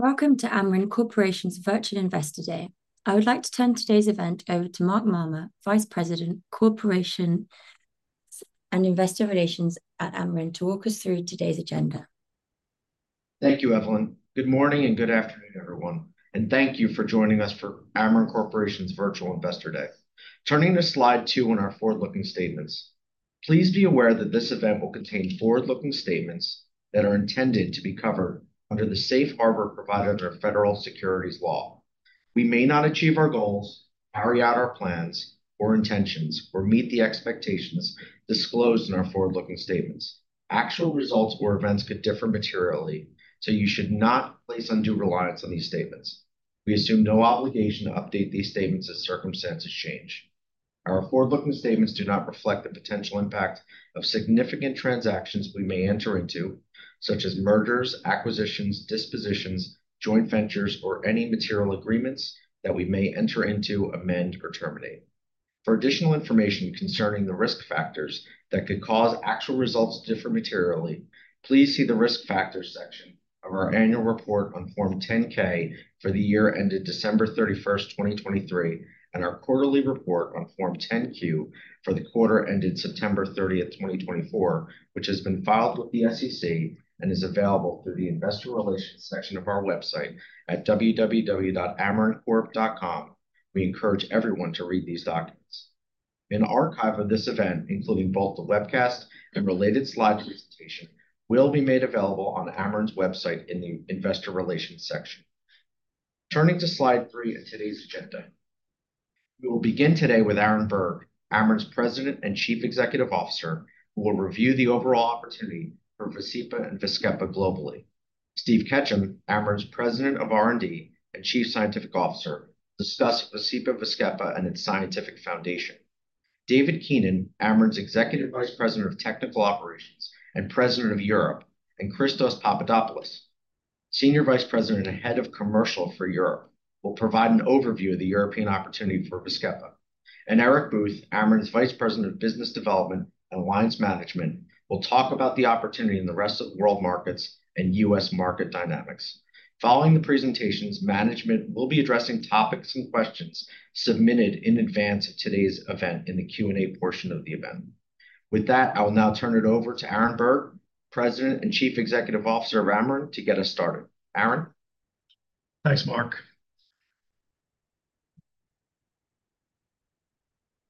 Welcome to Amarin Corporation's Virtual Investor Day. I would like to turn today's event over to Mark Marmur, Vice President, Corporate and Investor Relations at Amarin, to walk us through today's agenda. Thank you, Evelyn. Good morning and good afternoon, everyone, and thank you for joining us for Amarin Corporation's Virtual Investor Day. Turning to slide two in our forward-looking statements, please be aware that this event will contain forward-looking statements that are intended to be covered under the safe harbor provided under federal securities law. We may not achieve our goals, carry out our plans or intentions, or meet the expectations disclosed in our forward-looking statements. Actual results or events could differ materially, so you should not place undue reliance on these statements. We assume no obligation to update these statements as circumstances change. Our forward-looking statements do not reflect the potential impact of significant transactions we may enter into, such as mergers, acquisitions, dispositions, joint ventures, or any material agreements that we may enter into, amend, or terminate. For additional information concerning the risk factors that could cause actual results to differ materially, please see the risk factors section of our annual report on Form 10-K for the year ended December 31st, 2023, and our quarterly report on Form 10-Q for the quarter ended September 30th, 2024, which has been filed with the SEC and is available through the Investor Relations section of our website at www.amarincorp.com. We encourage everyone to read these documents. An archive of this event, including both the webcast and related slides presentation, will be made available on Amarin's website in the Investor Relations section. Turning to slide three in today's agenda, we will begin today with Aaron Berg, Amarin's President and Chief Executive Officer, who will review the overall opportunity for VASCEPA and VAZKEPA globally. Steve Ketchum, Amarin's President of R&D and Chief Scientific Officer, will discuss VASCEPA/VAZKEPA and its scientific foundation. David Keenan, Amarin's Executive Vice President of Technical Operations and President of Europe, and Christos Papadopoulos, Senior Vice President and Head of Commercial for Europe, will provide an overview of the European opportunity for VASCEPA, and Eric Booth, Amarin's Vice President of Business Development and Alliance Management, will talk about the opportunity in the rest of the world markets and U.S. market dynamics. Following the presentations, management will be addressing topics and questions submitted in advance of today's event in the Q&A portion of the event. With that, I will now turn it over to Aaron Berg, President and Chief Executive Officer of Amarin, to get us started. Aaron. Thanks, Mark.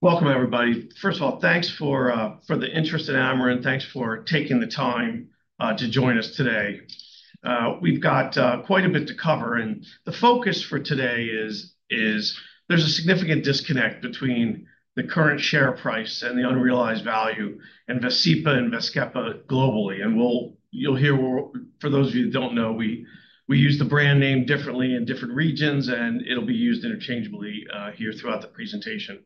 Welcome, everybody. First of all, thanks for the interest in Amarin. Thanks for taking the time to join us today. We've got quite a bit to cover, and the focus for today is, there's a significant disconnect between the current share price and the unrealized value in VASCEPA and VAZKEPA globally, and you'll hear, for those of you who don't know, we use the brand name differently in different regions, and it'll be used interchangeably here throughout the presentation.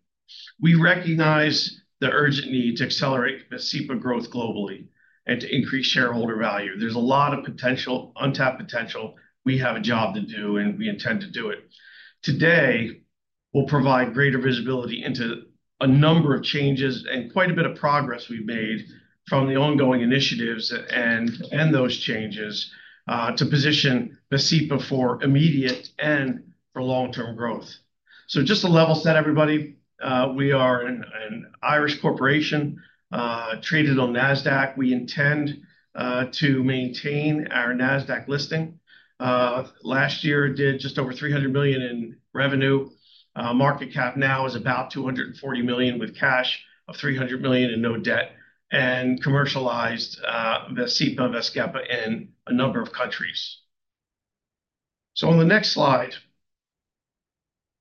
We recognize the urgent need to accelerate VASCEPA growth globally and to increase shareholder value. There's a lot of potential, untapped potential. We have a job to do, and we intend to do it. Today, we'll provide greater visibility into a number of changes and quite a bit of progress we've made from the ongoing initiatives and those changes to position VASCEPA for immediate and for long-term growth. Just to level set, everybody, we are an Irish corporation traded on NASDAQ. We intend to maintain our NASDAQ listing. Last year, we did just over $300 million in revenue. Market cap now is about $240 million with cash of $300 million in no debt and commercialized VASCEPA in a number of countries. On the next slide,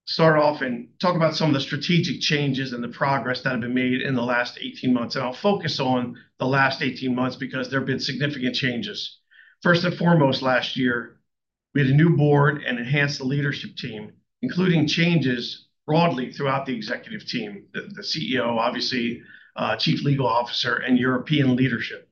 start off and talk about some of the strategic changes and the progress that have been made in the last 18 months. I'll focus on the last 18 months because there have been significant changes. First and foremost, last year, we had a new board and enhanced the leadership team, including changes broadly throughout the executive team: the CEO, obviously, Chief Legal Officer, and European leadership.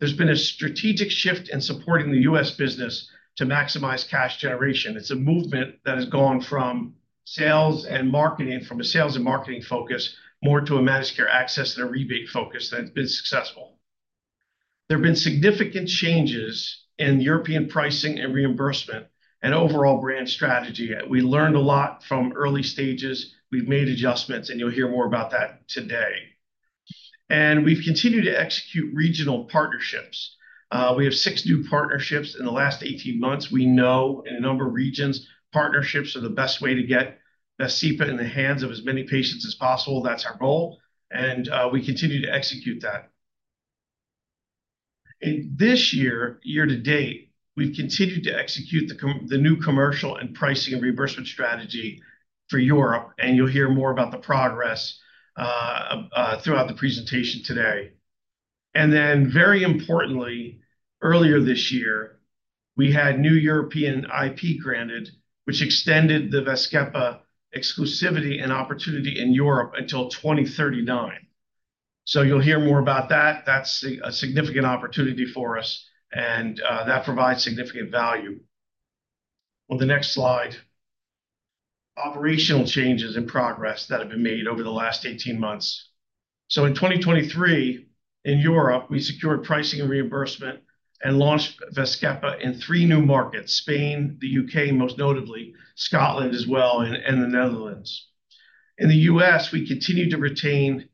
There's been a strategic shift in supporting the U.S. business to maximize cash generation. It's a movement that has gone from sales and marketing, from a sales and marketing focus, more to a managed care access and a rebate focus that has been successful. There have been significant changes in European pricing and reimbursement and overall brand strategy. We learned a lot from early stages. We've made adjustments, and you'll hear more about that today, and we've continued to execute regional partnerships. We have six new partnerships in the last 18 months. We know in a number of regions, partnerships are the best way to get VASCEPA in the hands of as many patients as possible. That's our goal, and we continue to execute that. This year, year to date, we've continued to execute the new commercial and pricing and reimbursement strategy for Europe, and you'll hear more about the progress throughout the presentation today. And then, very importantly, earlier this year, we had new European IP granted, which extended the VAZKEPA exclusivity and opportunity in Europe until 2039. So you'll hear more about that. That's a significant opportunity for us, and that provides significant value. On the next slide, operational changes and progress that have been made over the last 18 months. So in 2023, in Europe, we secured pricing and reimbursement and launched VAZKEPA in three new markets: Spain, the U.K., most notably, Scotland as well, and the Netherlands. In the U.S., we continue to retain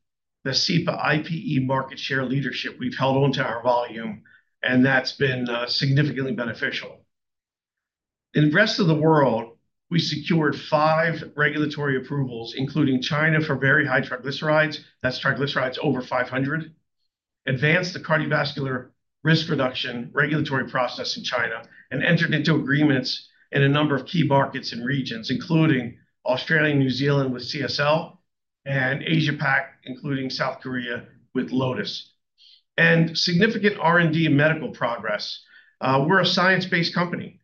VAZKEPA IPE market share leadership. We've held on to our volume, and that's been significantly beneficial. In the rest of the world, we secured five regulatory approvals, including China for very high triglycerides. That's triglycerides over 500. Advanced the cardiovascular risk reduction regulatory process in China and entered into agreements in a number of key markets and regions, including Australia and New Zealand with CSL and Asia-Pac, including South Korea with Lotus, and significant R&D and medical progress. We're a science-based company.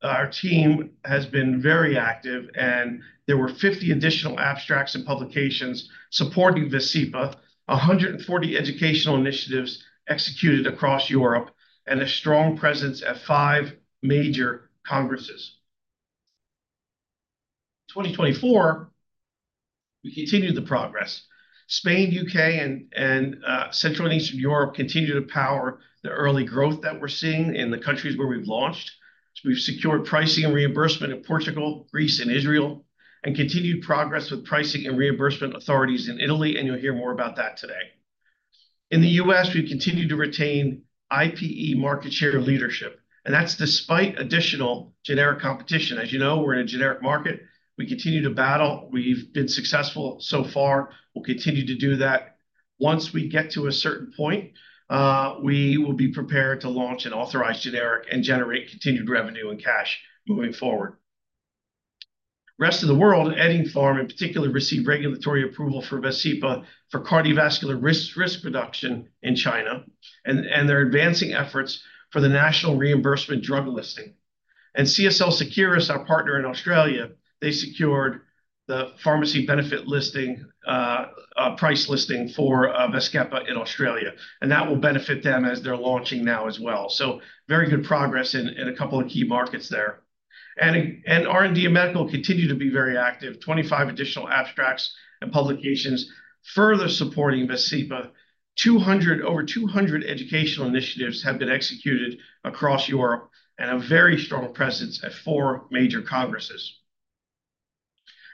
Our team has been very active, and there were 50 additional abstracts and publications supporting VASCEPA, 140 educational initiatives executed across Europe, and a strong presence at five major congresses. In 2024, we continued the progress. Spain, the U.K., and Central and Eastern Europe continue to power the early growth that we're seeing in the countries where we've launched. We've secured pricing and reimbursement in Portugal, Greece, and Israel, and continued progress with pricing and reimbursement authorities in Italy, and you'll hear more about that today. In the U.S., we've continued to retain IPE market share leadership, and that's despite additional generic competition. As you know, we're in a generic market. We continue to battle. We've been successful so far. We'll continue to do that. Once we get to a certain point, we will be prepared to launch an authorized generic and generate continued revenue and cash moving forward. The rest of the world, Eddingpharm in particular, received regulatory approval for VASCEPA for cardiovascular risk reduction in China, and they're advancing efforts for the national reimbursement drug listing. And CSL Seqirus, our partner in Australia, they secured the pharmacy benefit price listing for VASCEPA in Australia, and that will benefit them as they're launching now as well. So very good progress in a couple of key markets there. And R&D and medical continue to be very active. 25 additional abstracts and publications further supporting VASCEPA. Over 200 educational initiatives have been executed across Europe and a very strong presence at four major congresses.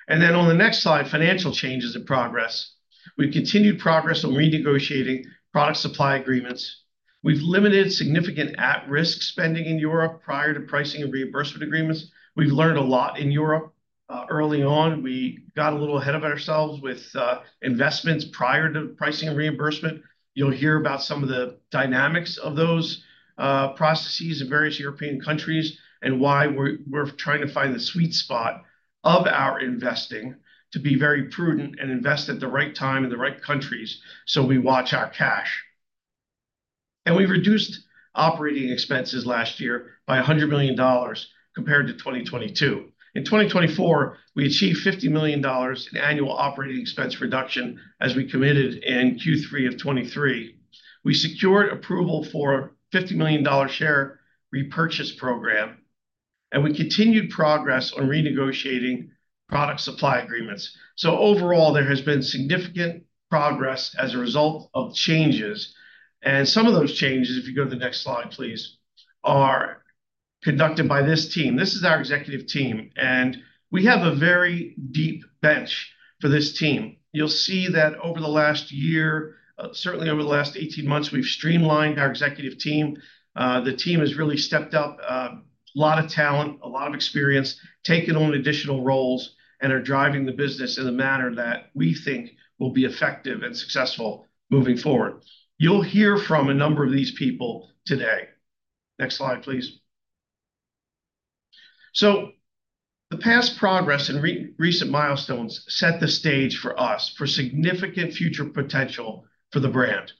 And then on the next slide, financial changes and progress. We've continued progress on renegotiating product supply agreements. We've limited significant at-risk spending in Europe prior to pricing and reimbursement agreements. We've learned a lot in Europe. Early on, we got a little ahead of ourselves with investments prior to pricing and reimbursement. You'll hear about some of the dynamics of those processes in various European countries and why we're trying to find the sweet spot of our investing to be very prudent and invest at the right time in the right countries so we watch our cash. And we reduced operating expenses last year by $100 million compared to 2022. In 2024, we achieved $50 million in annual operating expense reduction as we committed in Q3 of 2023. We secured approval for a $50 million share repurchase program, and we continued progress on renegotiating product supply agreements. So overall, there has been significant progress as a result of changes, and some of those changes, if you go to the next slide, please, are conducted by this team. This is our executive team, and we have a very deep bench for this team. You'll see that over the last year, certainly over the last 18 months, we've streamlined our executive team. The team has really stepped up, a lot of talent, a lot of experience, taken on additional roles, and are driving the business in a manner that we think will be effective and successful moving forward. You'll hear from a number of these people today. Next slide, please. The past progress and recent milestones set the stage for us for significant future potential for the brand.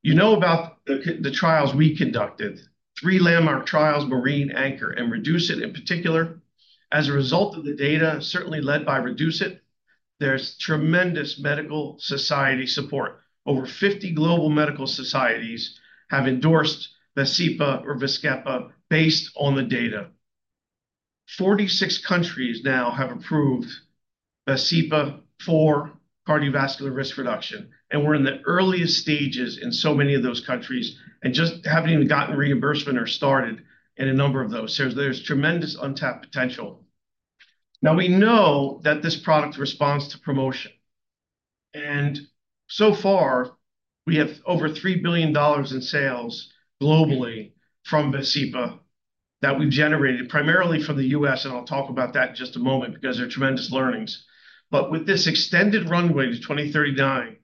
You know about the trials we conducted, three landmark trials, MARINE, ANCHOR, and REDUCE-IT in particular. As a result of the data, certainly led by REDUCE-IT, there's tremendous medical society support. Over 50 global medical societies have endorsed VASCEPA or VASCEPA based on the data. 46 countries now have approved VASCEPA for cardiovascular risk reduction, and we're in the earliest stages in so many of those countries and just haven't even gotten reimbursement or started in a number of those. So there's tremendous untapped potential. Now, we know that this product responds to promotion, and so far, we have over $3 billion in sales globally from VASCEPA that we've generated primarily from the U.S., and I'll talk about that in just a moment because there are tremendous learnings, but with this extended runway to 2039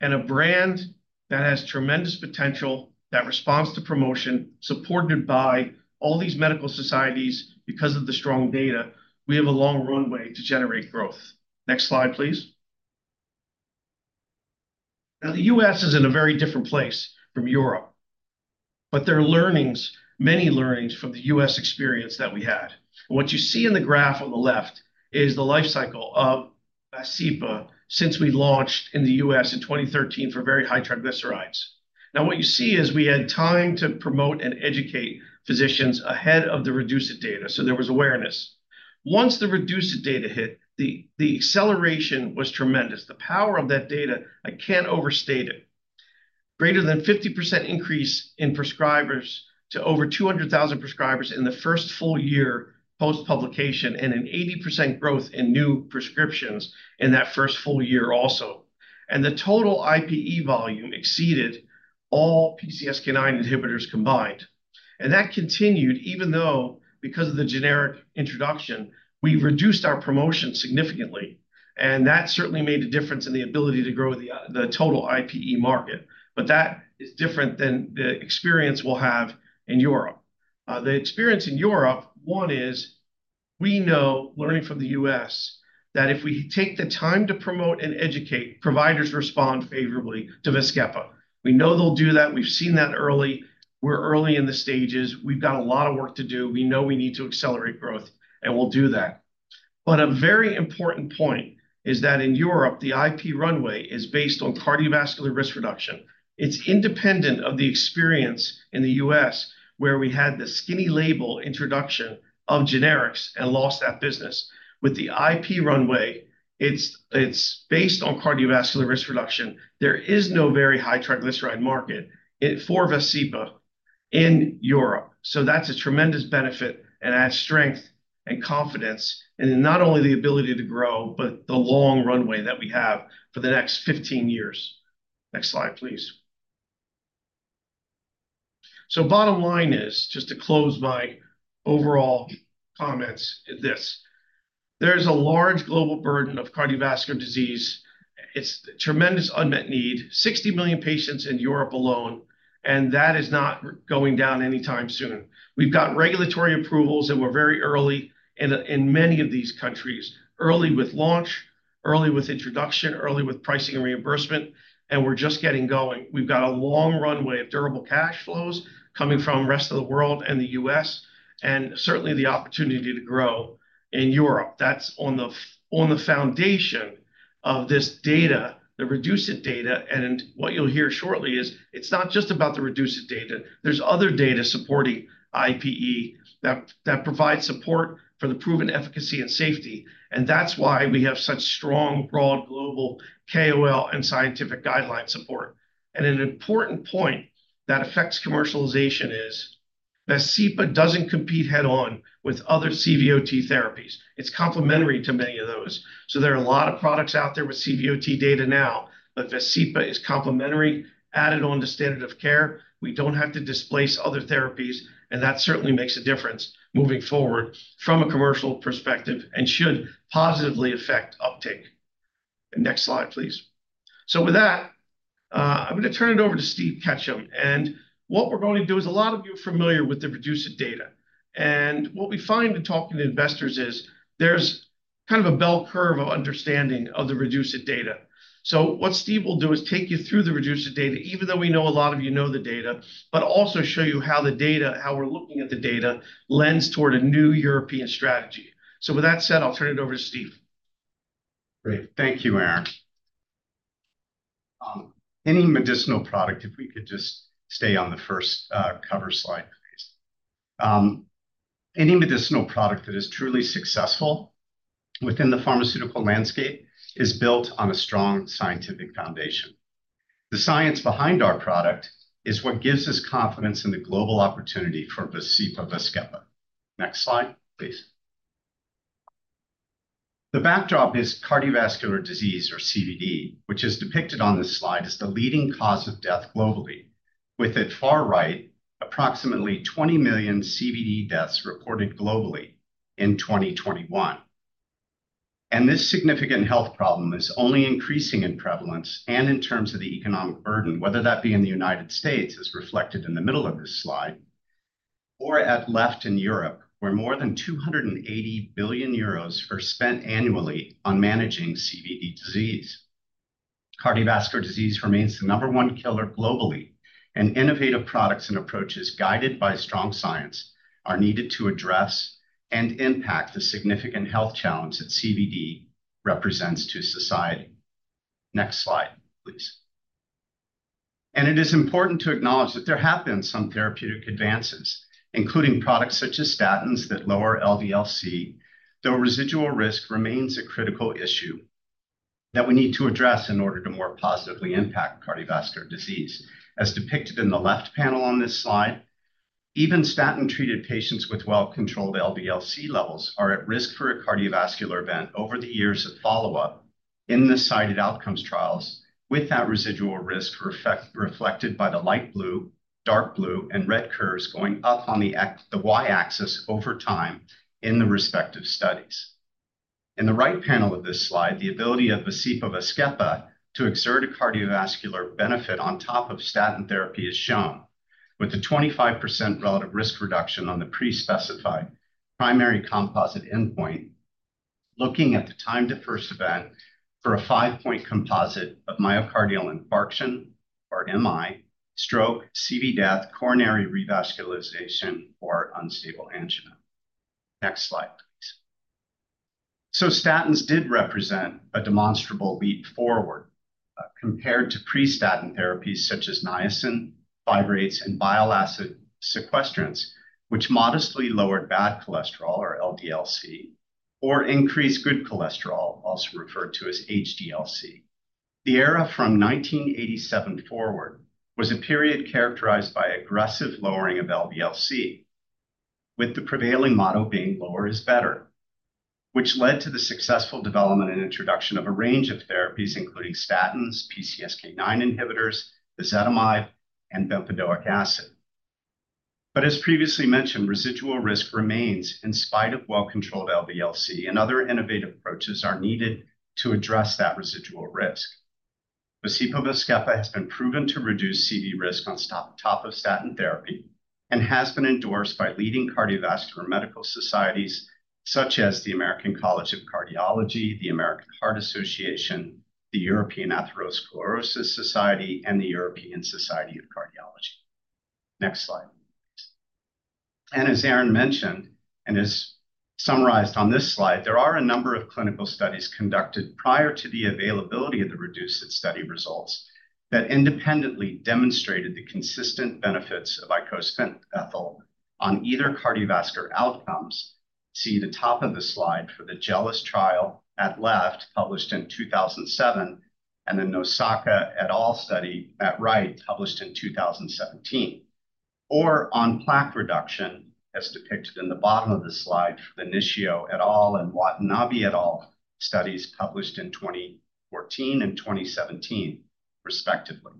and a brand that has tremendous potential that responds to promotion, supported by all these medical societies because of the strong data, we have a long runway to generate growth. Next slide, please. Now, the U.S. is in a very different place from Europe, but there are many learnings from the U.S. experience that we had, and what you see in the graph on the left is the life cycle of VASCEPA since we launched in the U.S. in 2013 for very high triglycerides. Now, what you see is we had time to promote and educate physicians ahead of the REDUCE-IT data, so there was awareness. Once the REDUCE-IT data hit, the acceleration was tremendous. The power of that data, I can't overstate it. Greater than 50% increase in prescribers to over 200,000 prescribers in the first full year post-publication and an 80% growth in new prescriptions in that first full year also, and the total IPE volume exceeded all PCSK9 inhibitors combined, and that continued even though, because of the generic introduction, we reduced our promotion significantly. And that certainly made a difference in the ability to grow the total IPE market. But that is different than the experience we'll have in Europe. The experience in Europe, one is we know, learning from the U.S., that if we take the time to promote and educate, providers respond favorably to VASCEPA. We know they'll do that. We've seen that early. We're early in the stages. We've got a lot of work to do. We know we need to accelerate growth, and we'll do that. But a very important point is that in Europe, the IP runway is based on cardiovascular risk reduction. It's independent of the experience in the U.S., where we had the skinny label introduction of generics and lost that business. With the IP runway, it's based on cardiovascular risk reduction. There is no very high triglyceride market for VASCEPA in Europe. So that's a tremendous benefit and adds strength and confidence, and not only the ability to grow, but the long runway that we have for the next 15 years. Next slide, please. So bottom line is, just to close my overall comments, is this: there is a large global burden of cardiovascular disease. It's a tremendous unmet need, 60 million patients in Europe alone, and that is not going down anytime soon. We've got regulatory approvals, and we're very early in many of these countries, early with launch, early with introduction, early with pricing and reimbursement, and we're just getting going. We've got a long runway of durable cash flows coming from the rest of the world and the U.S., and certainly the opportunity to grow in Europe. That's on the foundation of this data, the REDUCE-IT data. What you'll hear shortly is it's not just about the REDUCE-IT data. There's other data supporting IPE that provide support for the proven efficacy and safety. That's why we have such strong, broad global KOL and scientific guideline support. An important point that affects commercialization is VASCEPA doesn't compete head-on with other CVOT therapies. It's complementary to many of those. There are a lot of products out there with CVOT data now, but VASCEPA is complementary, added on to standard of care. We don't have to displace other therapies, and that certainly makes a difference moving forward from a commercial perspective and should positively affect uptake. Next slide, please. With that, I'm going to turn it over to Steve Ketchum. What we're going to do is a lot of you are familiar with the REDUCE-IT data. And what we find in talking to investors is there's kind of a bell curve of understanding of the REDUCE-IT data. So what Steve will do is take you through the REDUCE-IT data, even though we know a lot of you know the data, but also show you how the data, how we're looking at the data, lends toward a new European strategy. So with that said, I'll turn it over to Steve. Great. Thank you, Aaron. Any medicinal product, if we could just stay on the first cover slide, please. Any medicinal product that is truly successful within the pharmaceutical landscape is built on a strong scientific foundation. The science behind our product is what gives us confidence in the global opportunity for VASCEPA. Next slide, please. The backdrop is cardiovascular disease or CVD, which is depicted on this slide as the leading cause of death globally, with at far right, approximately 20 million CVD deaths reported globally in 2021. This significant health problem is only increasing in prevalence and in terms of the economic burden, whether that be in the United States, as reflected in the middle of this slide, or at left in Europe, where more than 280 billion euros are spent annually on managing CVD disease. Cardiovascular disease remains the number one killer globally, and innovative products and approaches guided by strong science are needed to address and impact the significant health challenge that CVD represents to society. Next slide, please. It is important to acknowledge that there have been some therapeutic advances, including products such as statins that lower LDL-C, though residual risk remains a critical issue that we need to address in order to more positively impact cardiovascular disease, as depicted in the left panel on this slide. Even statin-treated patients with well-controlled LDL-C levels are at risk for a cardiovascular event over the years of follow-up in the cited outcomes trials, with that residual risk reflected by the light blue, dark blue, and red curves going up on the Y-axis over time in the respective studies. In the right panel of this slide, the ability of VASCEPA to exert a cardiovascular benefit on top of statin therapy is shown, with a 25% relative risk reduction on the pre-specified primary composite endpoint, looking at the time to first event for a five-point composite of myocardial infarction or MI, stroke, CV death, coronary revascularization, or unstable angina. Next slide, please. So statins did represent a demonstrable leap forward compared to pre-statin therapies such as niacin, fibrates, and bile acid sequestrants, which modestly lowered bad cholesterol or LDL-C or increased good cholesterol, also referred to as HDL-C. The era from 1987 forward was a period characterized by aggressive lowering of LDL-C, with the prevailing motto being lower is better, which led to the successful development and introduction of a range of therapies, including statins, PCSK9 inhibitors, ezetimibe, and bempedoic acid. As previously mentioned, residual risk remains in spite of well-controlled LDL-C, and other innovative approaches are needed to address that residual risk. VASCEPA has been proven to reduce CV risk on top of statin therapy and has been endorsed by leading cardiovascular medical societies such as the American College of Cardiology, the American Heart Association, the European Atherosclerosis Society, and the European Society of Cardiology. Next slide, please. And as Aaron mentioned and is summarized on this slide, there are a number of clinical studies conducted prior to the availability of the REDUCE-IT study results that independently demonstrated the consistent benefits of icosapent ethyl on either cardiovascular outcomes. See the top of the slide for the JELIS trial at left published in 2007 and the Nosaka et al. study at right published in 2017. Or on plaque reduction, as depicted in the bottom of the slide for the Inoue et al. and Watanabe et al. studies published in 2014 and 2017, respectively.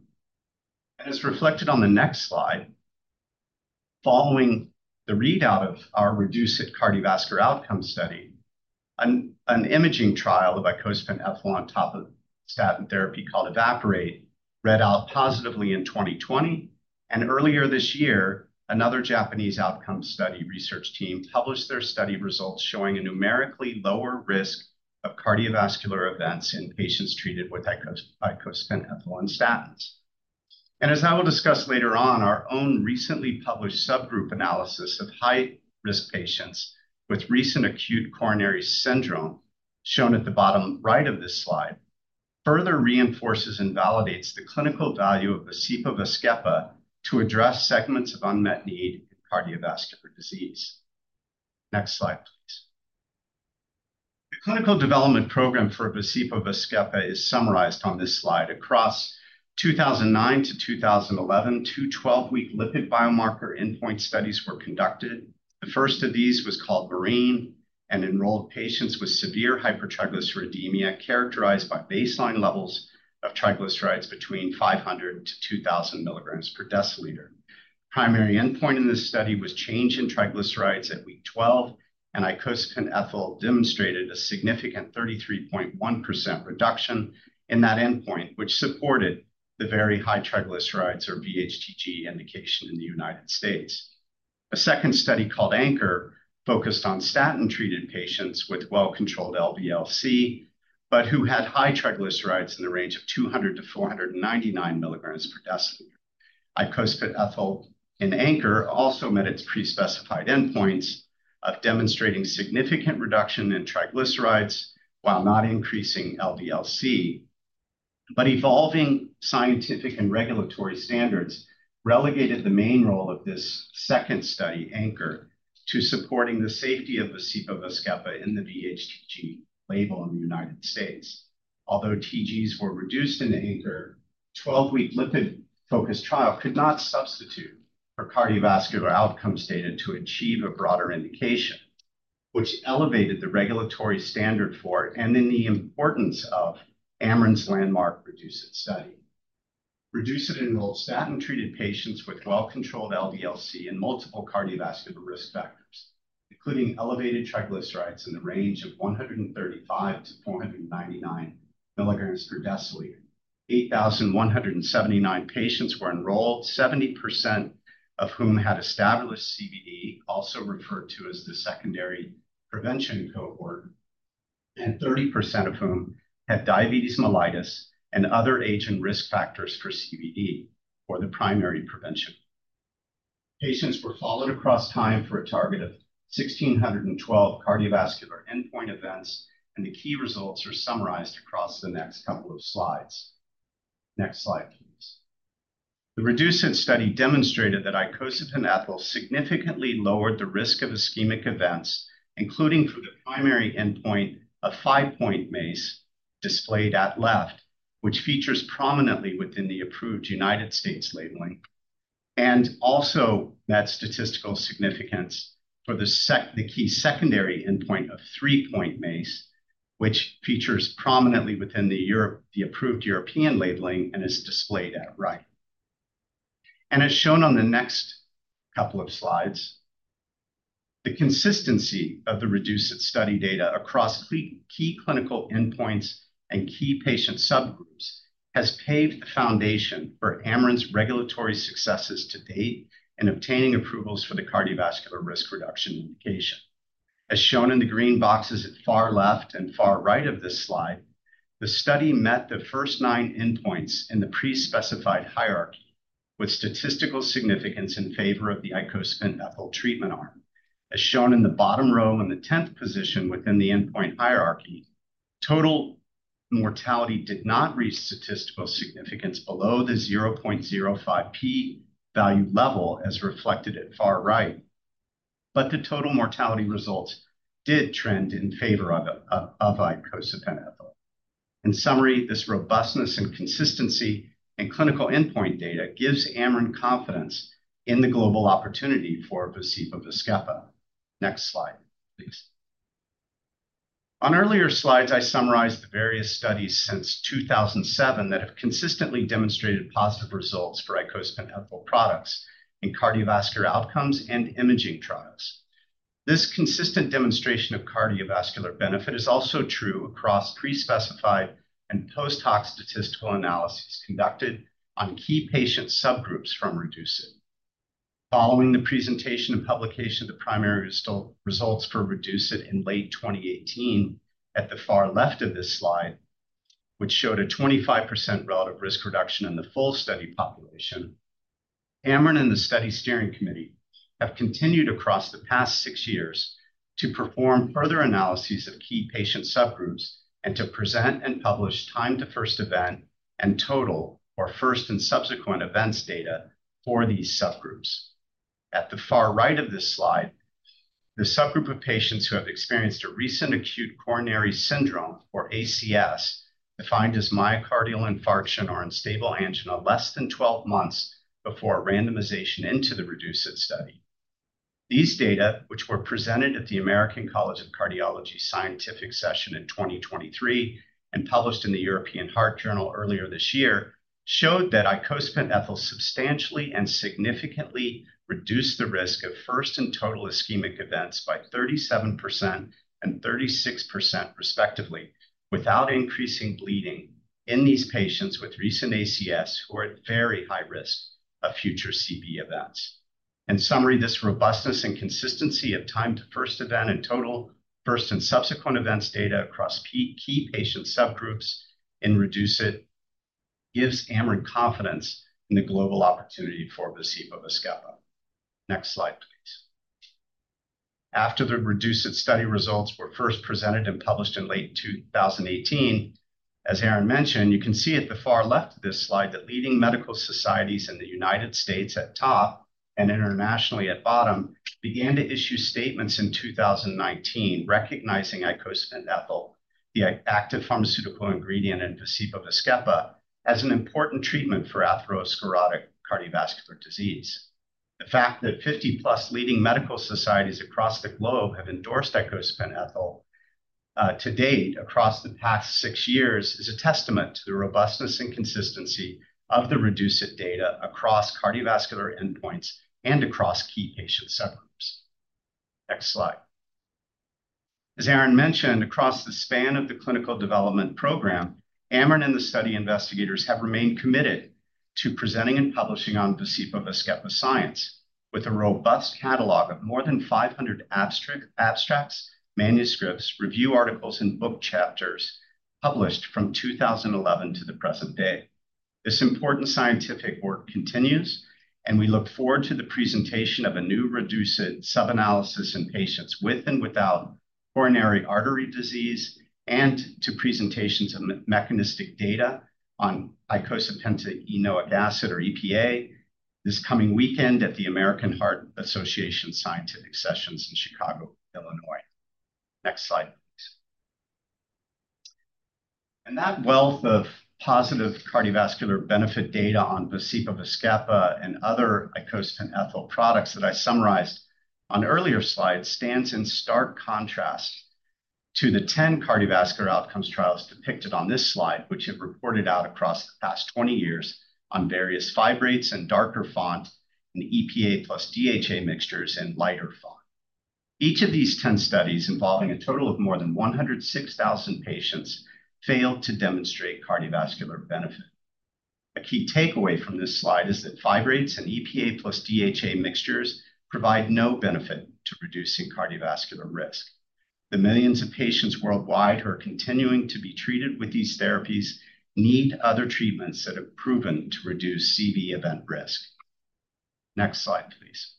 And as reflected on the next slide, following the readout of our REDUCE-IT cardiovascular outcome study, an imaging trial of icosapent ethyl on top of statin therapy called EVAPORATE read out positively in 2020. And earlier this year, another Japanese outcome study research team published their study results showing a numerically lower risk of cardiovascular events in patients treated with icosapent ethyl and statins. And as I will discuss later on, our own recently published subgroup analysis of high-risk patients with recent acute coronary syndrome shown at the bottom right of this slide further reinforces and validates the clinical value of VASCEPA to address segments of unmet need in cardiovascular disease. Next slide, please. The clinical development program for VASCEPA is summarized on this slide. Across 2009 to 2011, two 12-week lipid biomarker endpoint studies were conducted. The first of these was called MARINE and enrolled patients with severe hypertriglyceridemia characterized by baseline levels of triglycerides between 500-2,000 milligrams per deciliter. Primary endpoint in this study was change in triglycerides at week 12, and icosapent ethyl demonstrated a significant 33.1% reduction in that endpoint, which supported the very high triglycerides or VHTG indication in the United States. A second study called ANCHOR focused on statin-treated patients with well-controlled LDL-C, but who had high triglycerides in the range of 200-499 milligrams per deciliter. Icosapent ethyl in ANCHOR also met its pre-specified endpoints of demonstrating significant reduction in triglycerides while not increasing LDL-C. But evolving scientific and regulatory standards relegated the main role of this second study, ANCHOR, to supporting the safety of VASCEPA in the VHTG label in the United States. Although TGs were reduced in the ANCHOR 12-week lipid-focused trial could not substitute for cardiovascular outcomes data to achieve a broader indication, which elevated the regulatory standard for and in the importance of Amarin's landmark REDUCE-IT study. REDUCE-IT enrolled statin-treated patients with well-controlled LDL-C and multiple cardiovascular risk factors, including elevated triglycerides in the range of 135 to 499 milligrams per deciliter. 8,179 patients were enrolled, 70% of whom had established CVD, also referred to as the secondary prevention cohort, and 30% of whom had diabetes mellitus and other age and risk factors for CVD or the primary prevention. Patients were followed across time for a target of 1,612 cardiovascular endpoint events, and the key results are summarized across the next couple of slides. Next slide, please. The REDUCE-IT study demonstrated that icosapent ethyl significantly lowered the risk of ischemic events, including for the primary endpoint of five-point MACE displayed at left, which features prominently within the approved United States labeling, and also that statistical significance for the key secondary endpoint of three-point MACE, which features prominently within the approved European labeling and is displayed at right. As shown on the next couple of slides, the consistency of the REDUCE-IT study data across key clinical endpoints and key patient subgroups has paved the foundation for Amarin's regulatory successes to date in obtaining approvals for the cardiovascular risk reduction indication. As shown in the green boxes at far left and far right of this slide, the study met the first nine endpoints in the pre-specified hierarchy with statistical significance in favor of the icosapent ethyl treatment arm. As shown in the bottom row in the 10th position within the endpoint hierarchy, total mortality did not reach statistical significance below the 0.05 p-value level as reflected at far right, but the total mortality results did trend in favor of icosapent ethyl. In summary, this robustness and consistency in clinical endpoint data gives Amarin confidence in the global opportunity for VASCEPA. Next slide, please. On earlier slides, I summarized the various studies since 2007 that have consistently demonstrated positive results for icosapent ethyl products in cardiovascular outcomes and imaging trials. This consistent demonstration of cardiovascular benefit is also true across pre-specified and post-hoc statistical analyses conducted on key patient subgroups from REDUCE-IT. Following the presentation and publication of the primary results for REDUCE-IT in late 2018 at the far left of this slide, which showed a 25% relative risk reduction in the full study population, Amarin and the study steering committee have continued across the past six years to perform further analyses of key patient subgroups and to present and publish time to first event and total or first and subsequent events data for these subgroups. At the far right of this slide, the subgroup of patients who have experienced a recent acute coronary syndrome or ACS, defined as myocardial infarction or unstable angina, less than 12 months before randomization into the REDUCE-IT study. These data, which were presented at the American College of Cardiology scientific session in 2023 and published in the European Heart Journal earlier this year, showed that icosapent ethyl substantially and significantly reduced the risk of first and total ischemic events by 37% and 36%, respectively, without increasing bleeding in these patients with recent ACS who are at very high risk of future CV events. In summary, this robustness and consistency of time to first event and total first and subsequent events data across key patient subgroups in REDUCE-IT gives Amarin confidence in the global opportunity for VASCEPA. Next slide, please. After the REDUCE-IT study results were first presented and published in late 2018, as Aaron mentioned, you can see at the far left of this slide that leading medical societies in the United States at top and internationally at bottom began to issue statements in 2019 recognizing icosapent ethyl, the active pharmaceutical ingredient in VASCEPA, as an important treatment for atherosclerotic cardiovascular disease. The fact that 50-plus leading medical societies across the globe have endorsed icosapent ethyl to date across the past six years is a testament to the robustness and consistency of the REDUCE-IT data across cardiovascular endpoints and across key patient subgroups. Next slide. As Aaron mentioned, across the span of the clinical development program, Amarin and the study investigators have remained committed to presenting and publishing on VASCEPA science with a robust catalog of more than 500 abstracts, manuscripts, review articles, and book chapters published from 2011 to the present day. This important scientific work continues, and we look forward to the presentation of a new REDUCE-IT sub-analysis in patients with and without coronary artery disease and to presentations of mechanistic data on eicosapentaenoic acid or EPA this coming weekend at the American Heart Association scientific sessions in Chicago, Illinois. Next slide, please. That wealth of positive cardiovascular benefit data on VASCEPA and other icosapent ethyl products that I summarized on earlier slides stands in stark contrast to the 10 cardiovascular outcomes trials depicted on this slide, which have reported out across the past 20 years on various fibrates and darker font and EPA plus DHA mixtures in lighter font. Each of these 10 studies involving a total of more than 106,000 patients failed to demonstrate cardiovascular benefit. A key takeaway from this slide is that fibrates and EPA plus DHA mixtures provide no benefit to reducing cardiovascular risk. The millions of patients worldwide who are continuing to be treated with these therapies need other treatments that have proven to reduce CV event risk. Next slide, please.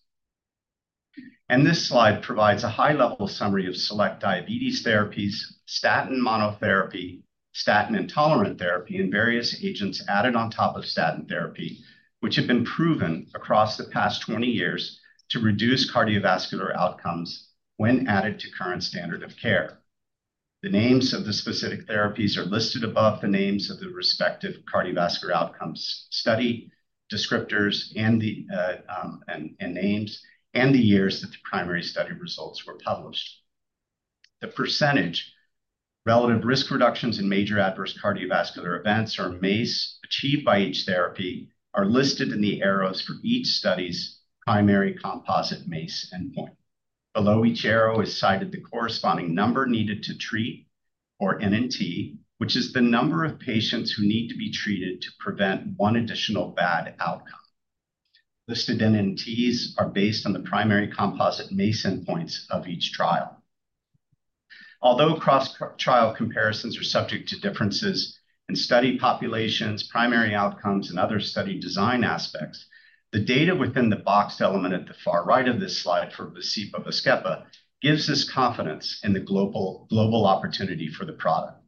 This slide provides a high-level summary of select diabetes therapies, statin monotherapy, statin intolerant therapy, and various agents added on top of statin therapy, which have been proven across the past 20 years to reduce cardiovascular outcomes when added to current standard of care. The names of the specific therapies are listed above the names of the respective cardiovascular outcomes study descriptors and the names and the years that the primary study results were published. The percentage relative risk reductions in major adverse cardiovascular events or MACE achieved by each therapy are listed in the arrows for each study's primary composite MACE endpoint. Below each arrow is cited the corresponding number needed to treat or NNT, which is the number of patients who need to be treated to prevent one additional bad outcome. Listed NNTs are based on the primary composite MACE endpoints of each trial. Although cross-trial comparisons are subject to differences in study populations, primary outcomes, and other study design aspects, the data within the boxed element at the far right of this slide for VASCEPA gives us confidence in the global opportunity for the product.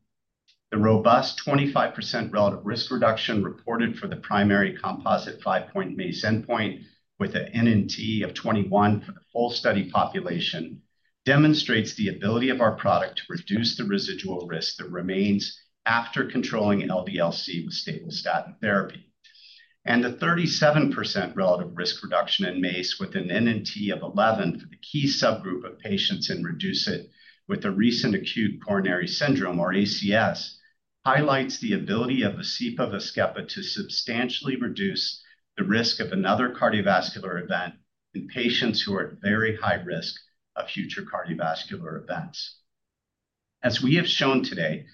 The robust 25% relative risk reduction reported for the primary composite five-point MACE endpoint with an NNT of 21 for the full study population demonstrates the ability of our product to reduce the residual risk that remains after controlling LDL-C with stable statin therapy, and the 37% relative risk reduction in MACE with an NNT of 11 for the key subgroup of patients in REDUCE-IT with a recent acute coronary syndrome or ACS highlights the ability of VASCEPA to substantially reduce the risk of another cardiovascular event in patients who are at very high risk of future cardiovascular events. As we have shown today,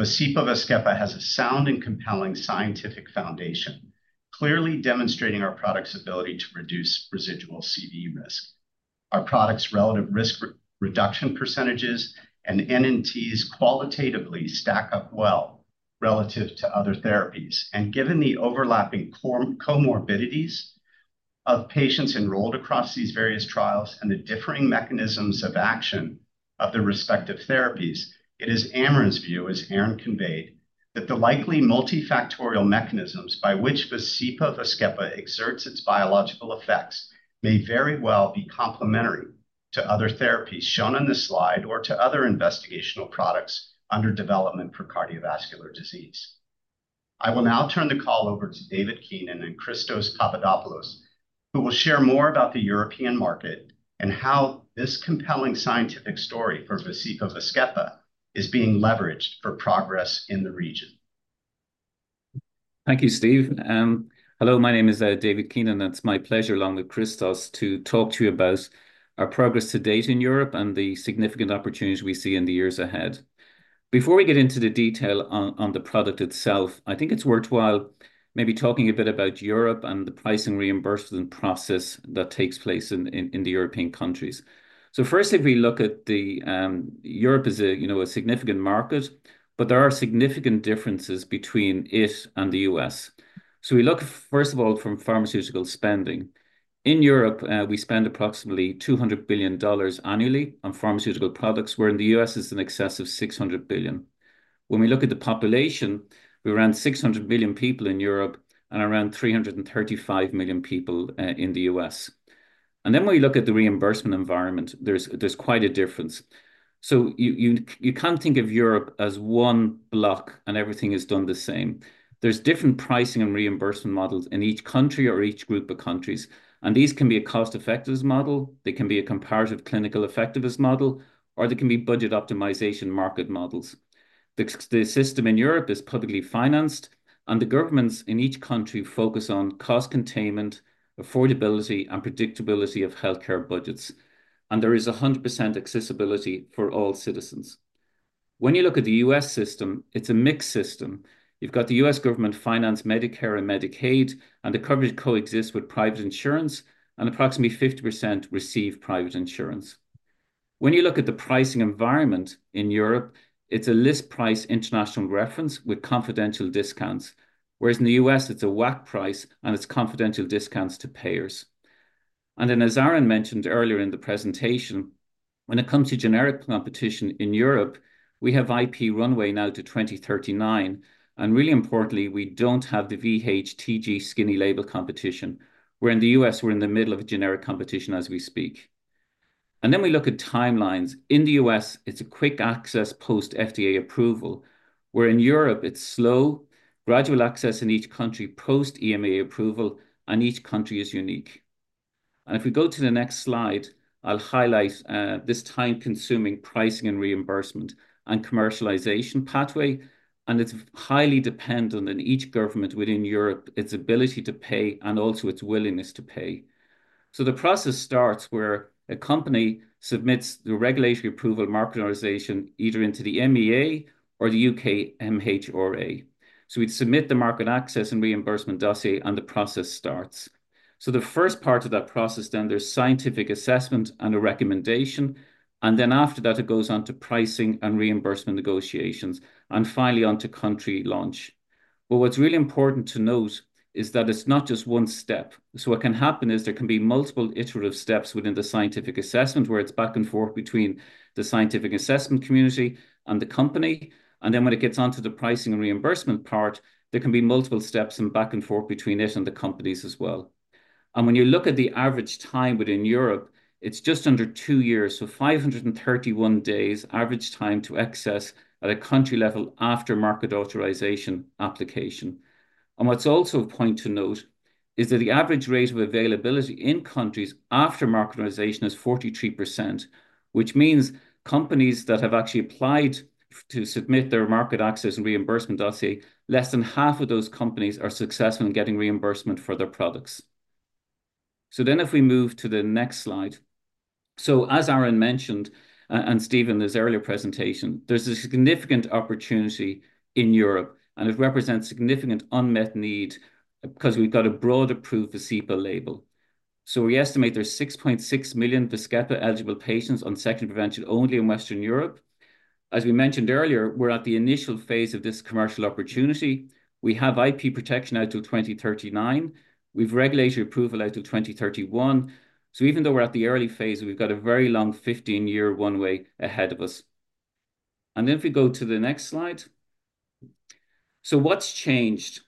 VASCEPA has a sound and compelling scientific foundation, clearly demonstrating our product's ability to reduce residual CV risk. Our product's relative risk reduction percentages and NNTs qualitatively stack up well relative to other therapies. And given the overlapping comorbidities of patients enrolled across these various trials and the differing mechanisms of action of the respective therapies, it is Amarin's view, as Aaron conveyed, that the likely multifactorial mechanisms by which VASCEPA exerts its biological effects may very well be complementary to other therapies shown on this slide or to other investigational products under development for cardiovascular disease. I will now turn the call over to David Keenan and Christos Papadopoulos, who will share more about the European market and how this compelling scientific story for VASCEPA is being leveraged for progress in the region. Thank you, Steve. Hello, my name is David Keenan, and it's my pleasure, along with Christos, to talk to you about our progress to date in Europe and the significant opportunities we see in the years ahead. Before we get into the detail on the product itself, I think it's worthwhile maybe talking a bit about Europe and the pricing reimbursement process that takes place in the European countries. So first, if we look at the Europe as a significant market, but there are significant differences between it and the U.S. So we look, first of all, from pharmaceutical spending. In Europe, we spend approximately $200 billion annually on pharmaceutical products, where in the U.S., it's in excess of $600 billion. When we look at the population, we're around 600 million people in Europe and around 335 million people in the U.S. And then when we look at the reimbursement environment, there's quite a difference. So you can't think of Europe as one block and everything is done the same. There's different pricing and reimbursement models in each country or each group of countries. And these can be a cost-effectiveness model. They can be a comparative clinical effectiveness model, or they can be budget optimization market models. The system in Europe is publicly financed, and the governments in each country focus on cost containment, affordability, and predictability of healthcare budgets. And there is 100% accessibility for all citizens. When you look at the U.S. system, it's a mixed system. You've got the U.S. government finance Medicare and Medicaid, and the coverage coexists with private insurance, and approximately 50% receive private insurance. When you look at the pricing environment in Europe, it's a list price international reference with confidential discounts, whereas in the U.S., it's a WAC price and its confidential discounts to payers. And then, as Aaron mentioned earlier in the presentation, when it comes to generic competition in Europe, we have IP Runway now to 2039. And really importantly, we don't have the VHTG skinny label competition, where in the U.S., we're in the middle of a generic competition as we speak. And then we look at timelines. In the U.S., it's a quick access post-FDA approval, where in Europe, it's slow, gradual access in each country post-EMA approval, and each country is unique. And if we go to the next slide, I'll highlight this time-consuming pricing and reimbursement and commercialization pathway, and it's highly dependent on each government within Europe, its ability to pay, and also its willingness to pay. So the process starts where a company submits the regulatory approval market authorization either into the MEA or the UK MHRA. So we'd submit the market access and reimbursement dossier, and the process starts. So the first part of that process, then there's scientific assessment and a recommendation. And then after that, it goes on to pricing and reimbursement negotiations, and finally on to country launch. But what's really important to note is that it's not just one step. So what can happen is there can be multiple iterative steps within the scientific assessment, where it's back and forth between the scientific assessment community and the company. Then when it gets on to the pricing and reimbursement part, there can be multiple steps and back and forth between it and the companies as well. When you look at the average time within Europe, it's just under two years, so 531 days average time to access at a country level after market authorization application. What's also a point to note is that the average rate of availability in countries after market authorization is 43%, which means companies that have actually applied to submit their market access and reimbursement dossier, less than half of those companies are successful in getting reimbursement for their products. Then if we move to the next slide, as Aaron mentioned and Steve in his earlier presentation, there's a significant opportunity in Europe, and it represents significant unmet need because we've got a broad approved VASCEPA label. We estimate there's 6.6 million VASCEPA eligible patients on secondary prevention only in Western Europe. As we mentioned earlier, we're at the initial phase of this commercial opportunity. We have IP protection out till 2039. We've regulatory approval out till 2031. Even though we're at the early phase, we've got a very long 15-year runway ahead of us. Then if we go to the next slide, what's changed?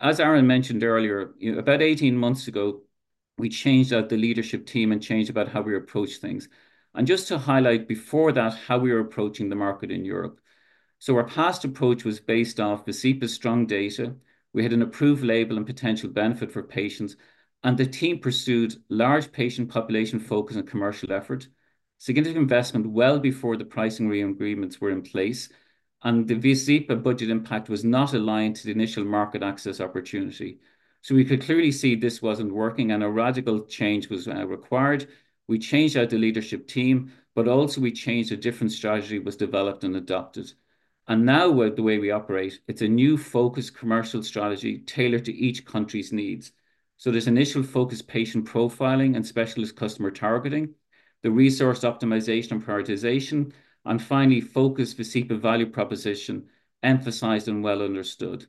As Aaron mentioned earlier, about 18 months ago, we changed out the leadership team and changed about how we approach things. Just to highlight before that, how we were approaching the market in Europe. Our past approach was based off VASCEPA's strong data. We had an approved label and potential benefit for patients, and the team pursued large patient population focus and commercial effort, significant investment well before the pricing re-agreements were in place. The VAZKEPA budget impact was not aligned to the initial market access opportunity. We could clearly see this wasn't working, and a radical change was required. We changed out the leadership team, but also we changed a different strategy that was developed and adopted. Now with the way we operate, it's a new focused commercial strategy tailored to each country's needs. There's initial focused patient profiling and specialist customer targeting, the resource optimization and prioritization, and finally, focused VAZKEPA value proposition emphasized and well understood.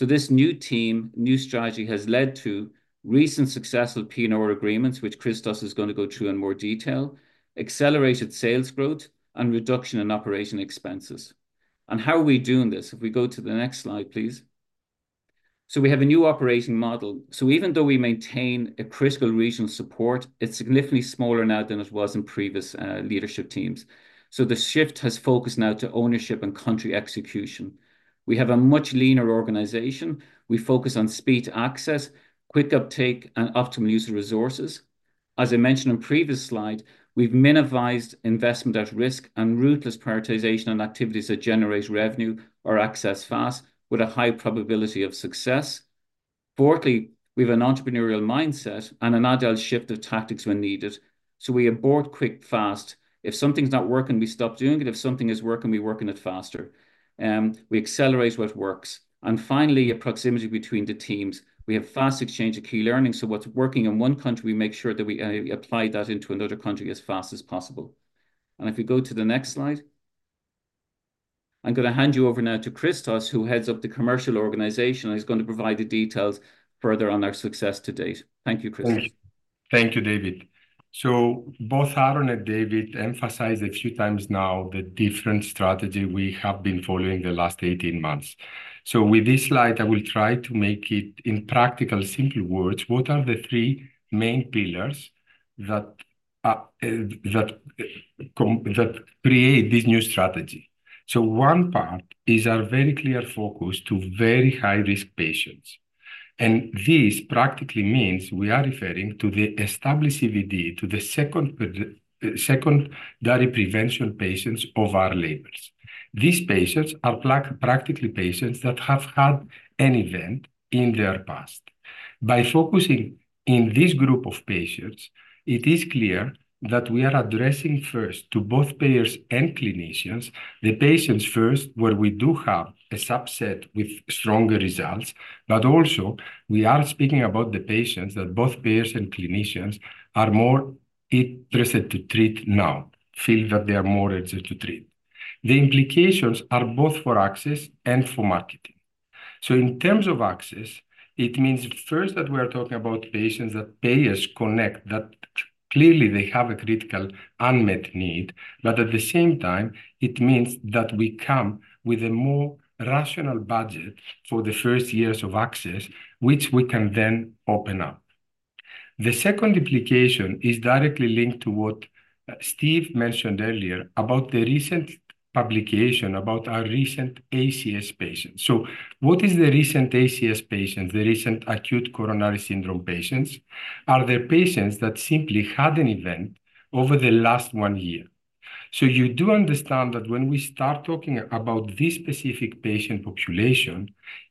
This new team, new strategy has led to recent successful P&R agreements, which Christos is going to go through in more detail, accelerated sales growth, and reduction in operating expenses. How are we doing this? If we go to the next slide, please. We have a new operating model. So even though we maintain a critical regional support, it's significantly smaller now than it was in previous leadership teams. So the shift has focused now to ownership and country execution. We have a much leaner organization. We focus on speed access, quick uptake, and optimal use of resources. As I mentioned in previous slide, we've minimized investment at risk and ruthless prioritization on activities that generate revenue or access fast with a high probability of success. Firstly, we have an entrepreneurial mindset and an agile shift of tactics when needed. So we abort quick, fast. If something's not working, we stop doing it. If something is working, we work on it faster. We accelerate what works. And finally, a proximity between the teams. We have fast exchange of key learning. So what's working in one country, we make sure that we apply that into another country as fast as possible. If we go to the next slide, I'm going to hand you over now to Christos, who heads up the commercial organization and is going to provide the details further on our success to date. Thank you, Christos. Thank you, David. Both Aaron and David emphasized a few times now the different strategy we have been following the last 18 months. With this slide, I will try to make it in practical, simple words. What are the three main pillars that create this new strategy? One part is our very clear focus to very high-risk patients. This practically means we are referring to the established CVD, to the secondary prevention patients of our labels. These patients are practically patients that have had an event in their past. By focusing on this group of patients, it is clear that we are addressing first to both payers and clinicians, the patients first, where we do have a subset with stronger results, but also we are speaking about the patients that both payers and clinicians are more interested to treat now, feel that they are more interested to treat. The implications are both for access and for marketing. So in terms of access, it means first that we are talking about patients that payers connect, that clearly they have a critical unmet need, but at the same time, it means that we come with a more rational budget for the first years of access, which we can then open up. The second implication is directly linked to what Steve mentioned earlier about the recent publication about our recent ACS patients. What is the recent ACS patients, the recent acute coronary syndrome patients? Are there patients that simply had an event over the last one year? You do understand that when we start talking about this specific patient population,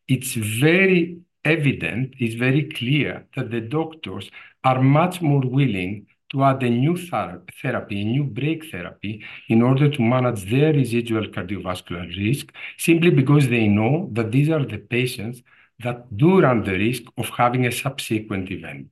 it's very evident. It's very clear that the doctors are much more willing to add a new therapy, a new breakthrough therapy in order to manage their residual cardiovascular risk, simply because they know that these are the patients that do run the risk of having a subsequent event.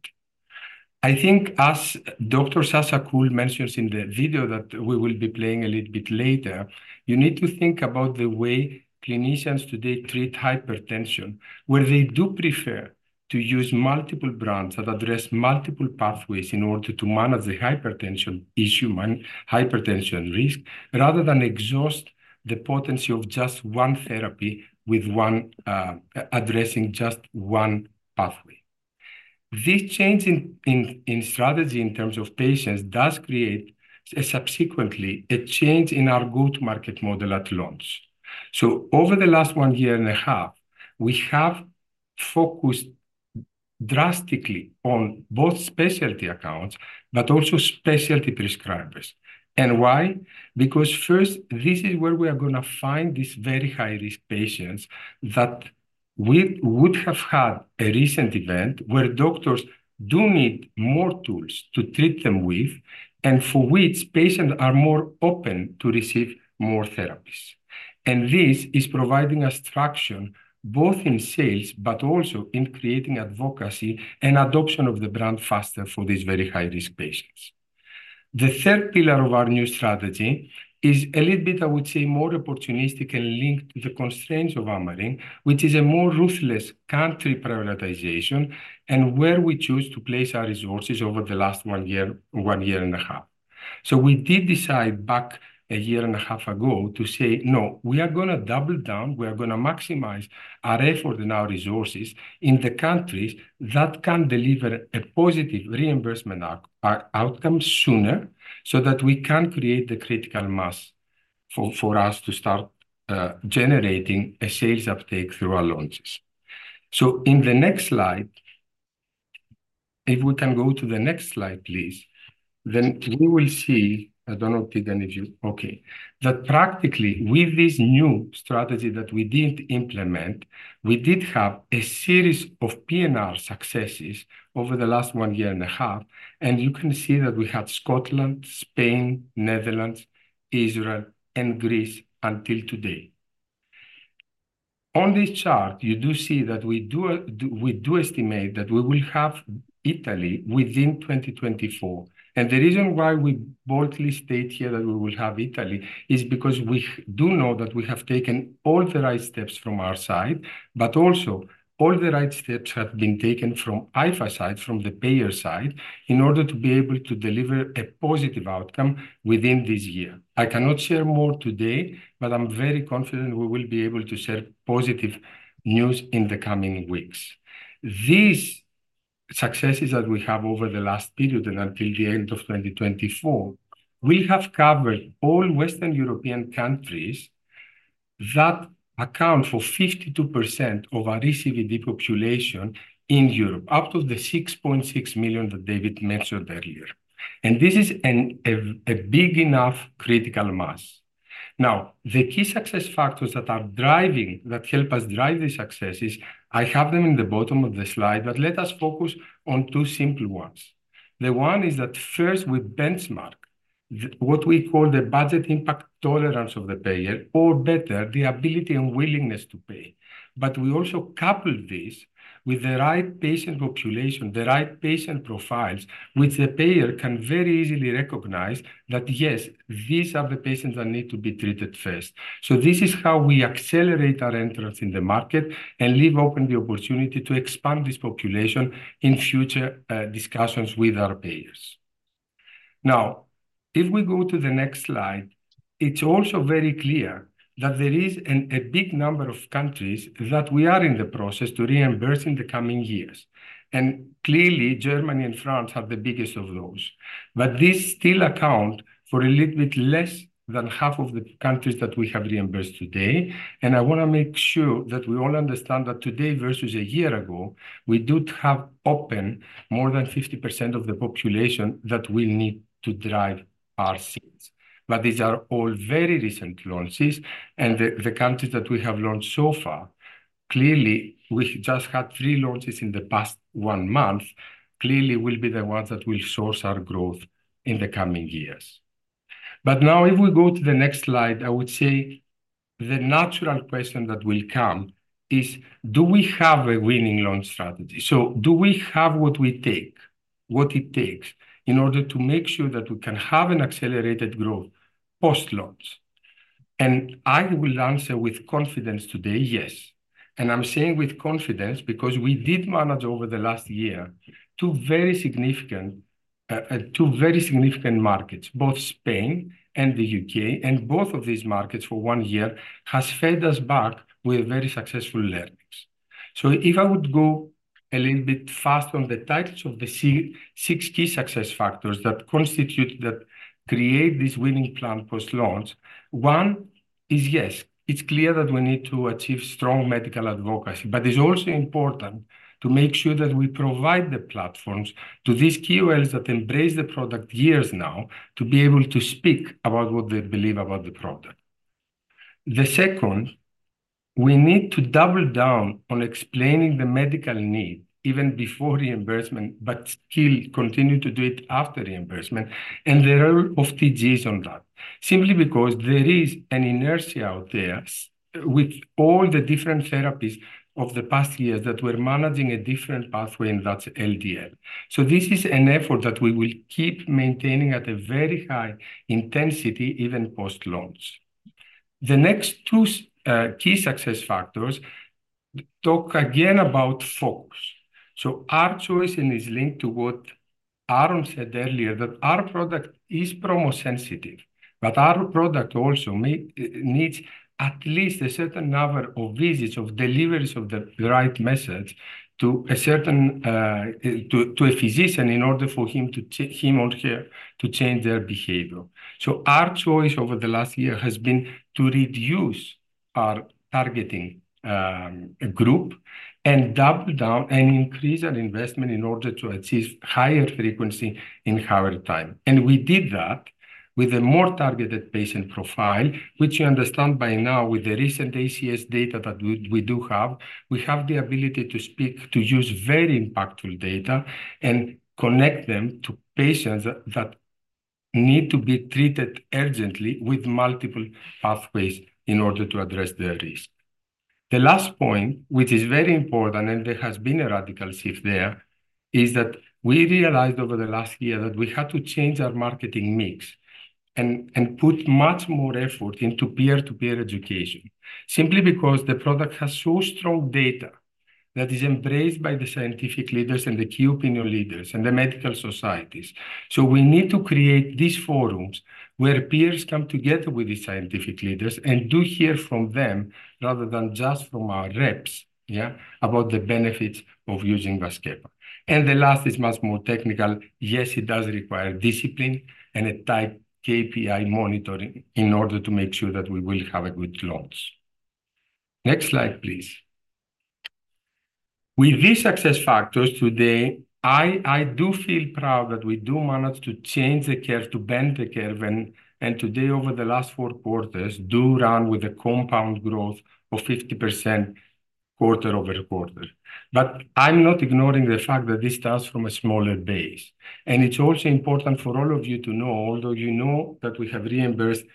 I think as Dr. Koul mentions in the video that we will be playing a little bit later, you need to think about the way clinicians today treat hypertension, where they do prefer to use multiple brands that address multiple pathways in order to manage the hypertension issue, hypertension risk, rather than exhaust the potency of just one therapy with one addressing just one pathway. This change in strategy in terms of patients does create subsequently a change in our go-to-market model at launch. So over the last one year and a half, we have focused drastically on both specialty accounts, but also specialty prescribers. And why? Because first, this is where we are going to find these very high-risk patients that would have had a recent event where doctors do need more tools to treat them with, and for which patients are more open to receive more therapies. This is providing us traction both in sales, but also in creating advocacy and adoption of the brand faster for these very high-risk patients. The third pillar of our new strategy is a little bit, I would say, more opportunistic and linked to the constraints of Amarin, which is a more ruthless country prioritization and where we choose to place our resources over the last one year, one year and a half. We did decide back a year and a half ago to say, no, we are going to double down. We are going to maximize our effort and our resources in the countries that can deliver a positive reimbursement outcome sooner so that we can create the critical mass for us to start generating a sales uptake through our launches. So in the next slide, if we can go to the next slide, please, then we will see, I don't know, Tigan, if you're okay, that practically with this new strategy that we did implement, we did have a series of PNR successes over the last one year and a half. And you can see that we had Scotland, Spain, Netherlands, Israel, and Greece until today. On this chart, you do see that we do estimate that we will have Italy within 2024. And the reason why we boldly state here that we will have Italy is because we do know that we have taken all the right steps from our side, but also all the right steps have been taken from AIFA side, from the payer side, in order to be able to deliver a positive outcome within this year. I cannot share more today, but I'm very confident we will be able to share positive news in the coming weeks. These successes that we have over the last period and until the end of 2024, we have covered all Western European countries that account for 52% of our ASCVD population in Europe, out of the 6.6 million that David mentioned earlier. And this is a big enough critical mass. Now, the key success factors that are driving, that help us drive the successes, I have them in the bottom of the slide, but let us focus on two simple ones. The one is that first we benchmark what we call the budget impact tolerance of the payer, or better, the ability and willingness to pay. We also couple this with the right patient population, the right patient profiles, which the payer can very easily recognize that, yes, these are the patients that need to be treated first. This is how we accelerate our entrance in the market and leave open the opportunity to expand this population in future discussions with our payers. Now, if we go to the next slide, it's also very clear that there is a big number of countries that we are in the process to reimburse in the coming years. Clearly, Germany and France are the biggest of those. This still accounts for a little bit less than half of the countries that we have reimbursed today. I want to make sure that we all understand that today versus a year ago, we do have access to more than 50% of the population that we need to drive our sales. But these are all very recent launches. And the countries that we have launched so far, clearly, we just had three launches in the past one month, clearly will be the ones that will source our growth in the coming years. But now, if we go to the next slide, I would say the natural question that will come is, do we have a winning launch strategy? So do we have what we take, what it takes in order to make sure that we can have an accelerated growth post-launch? And I will answer with confidence today, yes. I'm saying with confidence because we did manage over the last year two very significant markets, both Spain and the UK, and both of these markets for one year has fed us back with very successful learnings. If I would go a little bit fast on the titles of the six key success factors that constitute that create this winning plan post-launch, one is, yes, it's clear that we need to achieve strong medical advocacy, but it's also important to make sure that we provide the platforms to these key wells that embrace the product years now to be able to speak about what they believe about the product. The second, we need to double down on explaining the medical need even before reimbursement, but still continue to do it after reimbursement, and the role of TGs on that, simply because there is an inertia out there with all the different therapies of the past years that were managing a different pathway, and that's LDL. So this is an effort that we will keep maintaining at a very high intensity even post-launch. The next two key success factors talk again about focus. So our choice is linked to what Aaron said earlier, that our product is promo sensitive, but our product also needs at least a certain number of visits, of deliveries of the right message to a certain physician in order for him or her to change their behavior. Our choice over the last year has been to reduce our targeting group and double down and increase our investment in order to achieve higher frequency in higher time. We did that with a more targeted patient profile, which you understand by now with the recent ACS data that we do have. We have the ability to speak, to use very impactful data and connect them to patients that need to be treated urgently with multiple pathways in order to address their risk. The last point, which is very important, and there has been a radical shift there, is that we realized over the last year that we had to change our marketing mix and put much more effort into peer-to-peer education, simply because the product has so strong data that is embraced by the scientific leaders and the key opinion leaders and the medical societies. So we need to create these forums where peers come together with the scientific leaders and do hear from them rather than just from our reps, yeah, about the benefits of using VASCEPA. And the last is much more technical. Yes, it does require discipline and a tight KPI monitoring in order to make sure that we will have a good launch. Next slide, please. With these success factors today, I do feel proud that we do manage to change the curve, to bend the curve, and today, over the last four quarters, do run with a compound growth of 50% quarter over quarter. But I'm not ignoring the fact that this starts from a smaller base. It's also important for all of you to know, although you know that we have reimbursed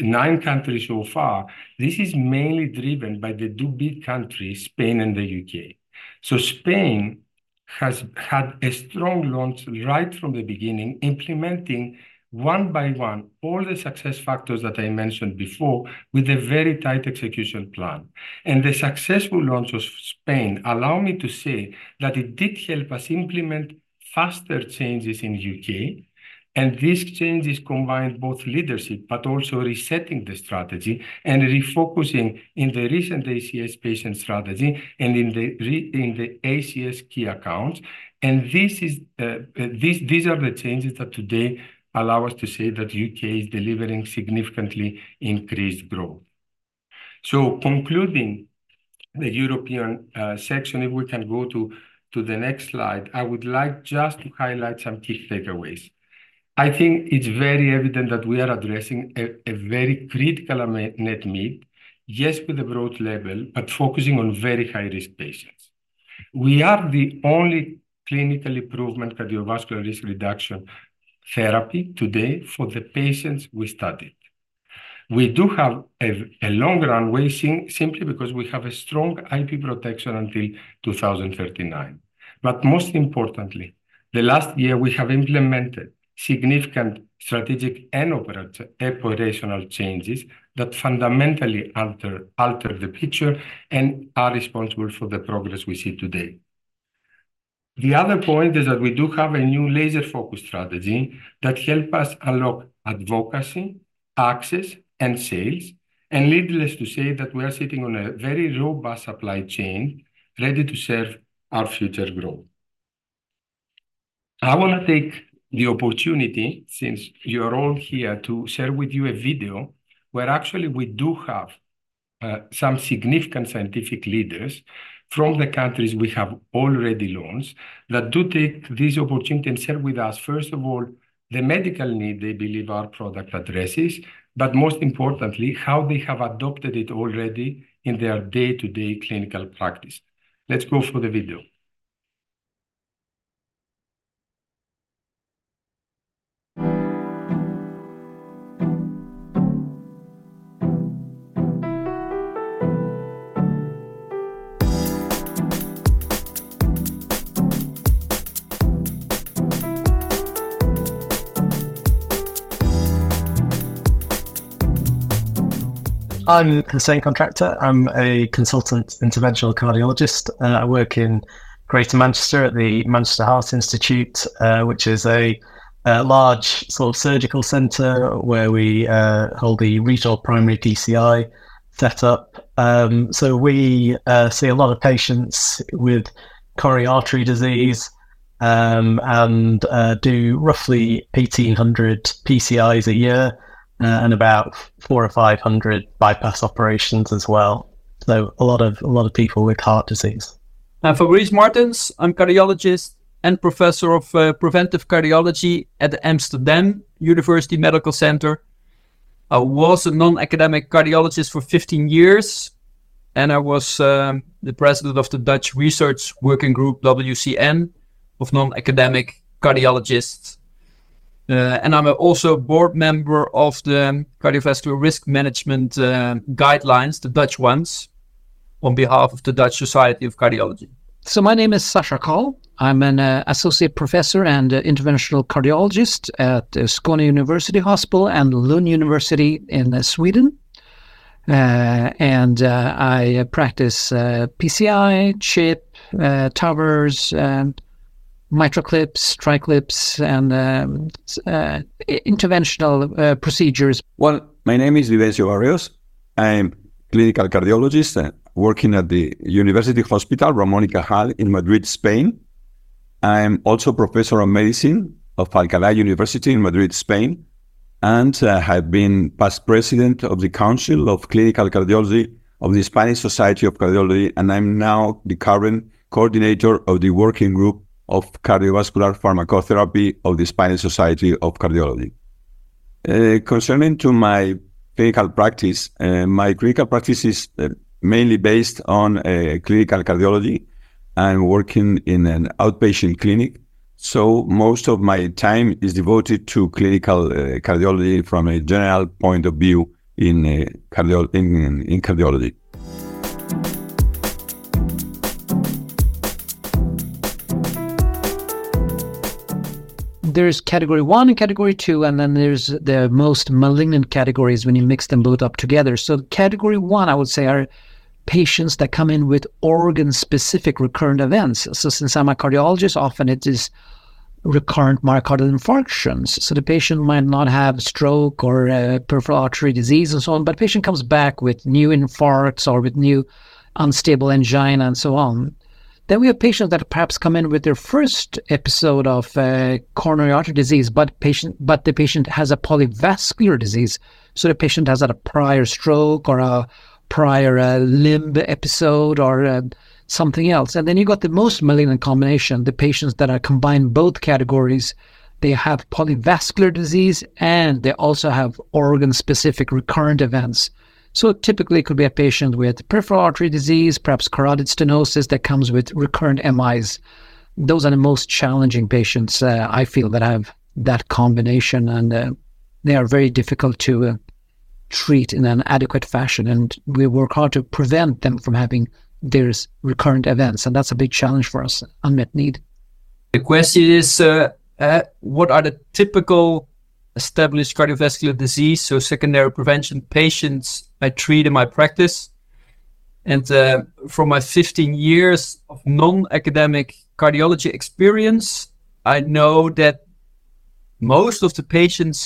nine countries so far, this is mainly driven by the two big countries, Spain and the U.K. So Spain has had a strong launch right from the beginning, implementing one by one all the success factors that I mentioned before with a very tight execution plan. And the successful launch of Spain allowed me to say that it did help us implement faster changes in the U.K. And these changes combined both leadership, but also resetting the strategy and refocusing in the recent ACS patient strategy and in the ACS key accounts. And these are the changes that today allow us to say that the U.K. is delivering significantly increased growth. So concluding the European section, if we can go to the next slide, I would like just to highlight some key takeaways. I think it's very evident that we are addressing a very critical unmet need, yes, with a broad level, but focusing on very high-risk patients. We are the only clinically proven cardiovascular risk reduction therapy today for the patients we studied. We do have a long runway simply because we have a strong IP protection until 2039. But most importantly, the last year, we have implemented significant strategic and operational changes that fundamentally alter the picture and are responsible for the progress we see today. The other point is that we do have a new laser-focused strategy that helps us unlock advocacy, access, and sales, and needless to say that we are sitting on a very robust supply chain ready to serve our future growth. I want to take the opportunity, since you are all here, to share with you a video where actually we do have some significant scientific leaders from the countries we have already launched that do take this opportunity and share with us, first of all, the medical need they believe our product addresses, but most importantly, how they have adopted it already in their day-to-day clinical practice. Let's go for the video. I'm Hussain Contractor. I'm a consultant interventional cardiologist. I work in Greater Manchester at the Manchester Heart Institute, which is a large sort of surgical center where we hold the regional primary PCI setup. So we see a lot of patients with coronary artery disease and do roughly 1,800 PCIs a year and about 400 or 500 bypass operations as well. So a lot of people with heart disease. I'm Fabrice Martens. I'm a cardiologist and professor of preventive cardiology at the Amsterdam University Medical Center. I was a non-academic cardiologist for 15 years, and I was the president of the Dutch Research Working Group, WCN, of non-academic cardiologists, and I'm also a board member of the Cardiovascular Risk Management Guidelines, the Dutch ones, on behalf of the Dutch Society of Cardiology. So my name is Sasha Koul. I'm an associate professor and interventional cardiologist at Skåne University Hospital and Lund University in Sweden. And I practice PCI, CHIP, TAVRs, MitraClips, TriClips, and interventional procedures. Well, my name is Luis Rodríguez Padial. I'm a clinical cardiologist working at the University Hospital Ramón y Cajal in Madrid, Spain. I'm also a professor of medicine at Alcalá University in Madrid, Spain, and I have been past president of the Council of Clinical Cardiology of the Spanish Society of Cardiology. I'm now the current coordinator of the Working Group of Cardiovascular Pharmacotherapy of the Spanish Society of Cardiology. Concerning my clinical practice, my clinical practice is mainly based on clinical cardiology and working in an outpatient clinic. So most of my time is devoted to clinical cardiology from a general point of view in cardiology. There's category one and category two, and then there's the most malignant categories when you mix them both up together. So category one, I would say, are patients that come in with organ-specific recurrent events. So since I'm a cardiologist, often it is recurrent myocardial infarctions. So the patient might not have stroke or peripheral artery disease and so on, but the patient comes back with new infarcts or with new unstable angina and so on. Then we have patients that perhaps come in with their first episode of coronary artery disease, but the patient has a Polyvascular disease. So the patient has had a prior stroke or a prior limb episode or something else. And then you've got the most malignant combination, the patients that are combined both categories. They have Polyvascular disease, and they also have organ-specific recurrent events. So typically, it could be a patient with peripheral artery disease, perhaps carotid stenosis that comes with recurrent MIs. Those are the most challenging patients, I feel, that have that combination, and they are very difficult to treat in an adequate fashion. And we work hard to prevent them from having their recurrent events. And that's a big challenge for us, unmet need. The question is, what are the typical established cardiovascular disease or secondary prevention patients I treat in my practice? From my 15 years of non-academic cardiology experience, I know that most of the patients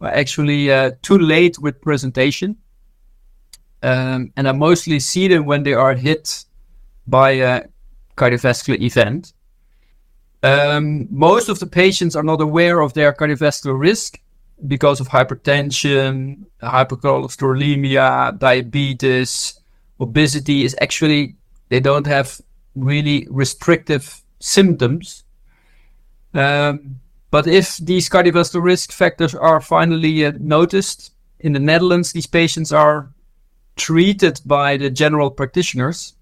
are actually too late with presentation. I mostly see them when they are hit by a cardiovascular event. Most of the patients are not aware of their cardiovascular risk because of hypertension, hypercholesterolemia, diabetes, obesity. Actually, they don't have really restrictive symptoms. If these cardiovascular risk factors are finally noticed in the Netherlands, these patients are treated by the general practitioners.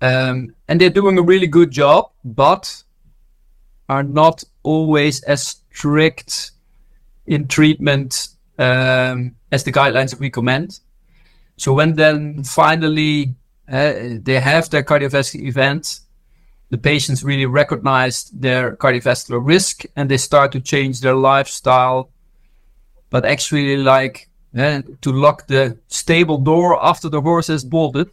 They're doing a really good job, but are not always as strict in treatment as the guidelines that we command. When they finally have their cardiovascular event, the patients really recognize their cardiovascular risk, and they start to change their lifestyle, but actually like to lock the stable door after the horse has bolted.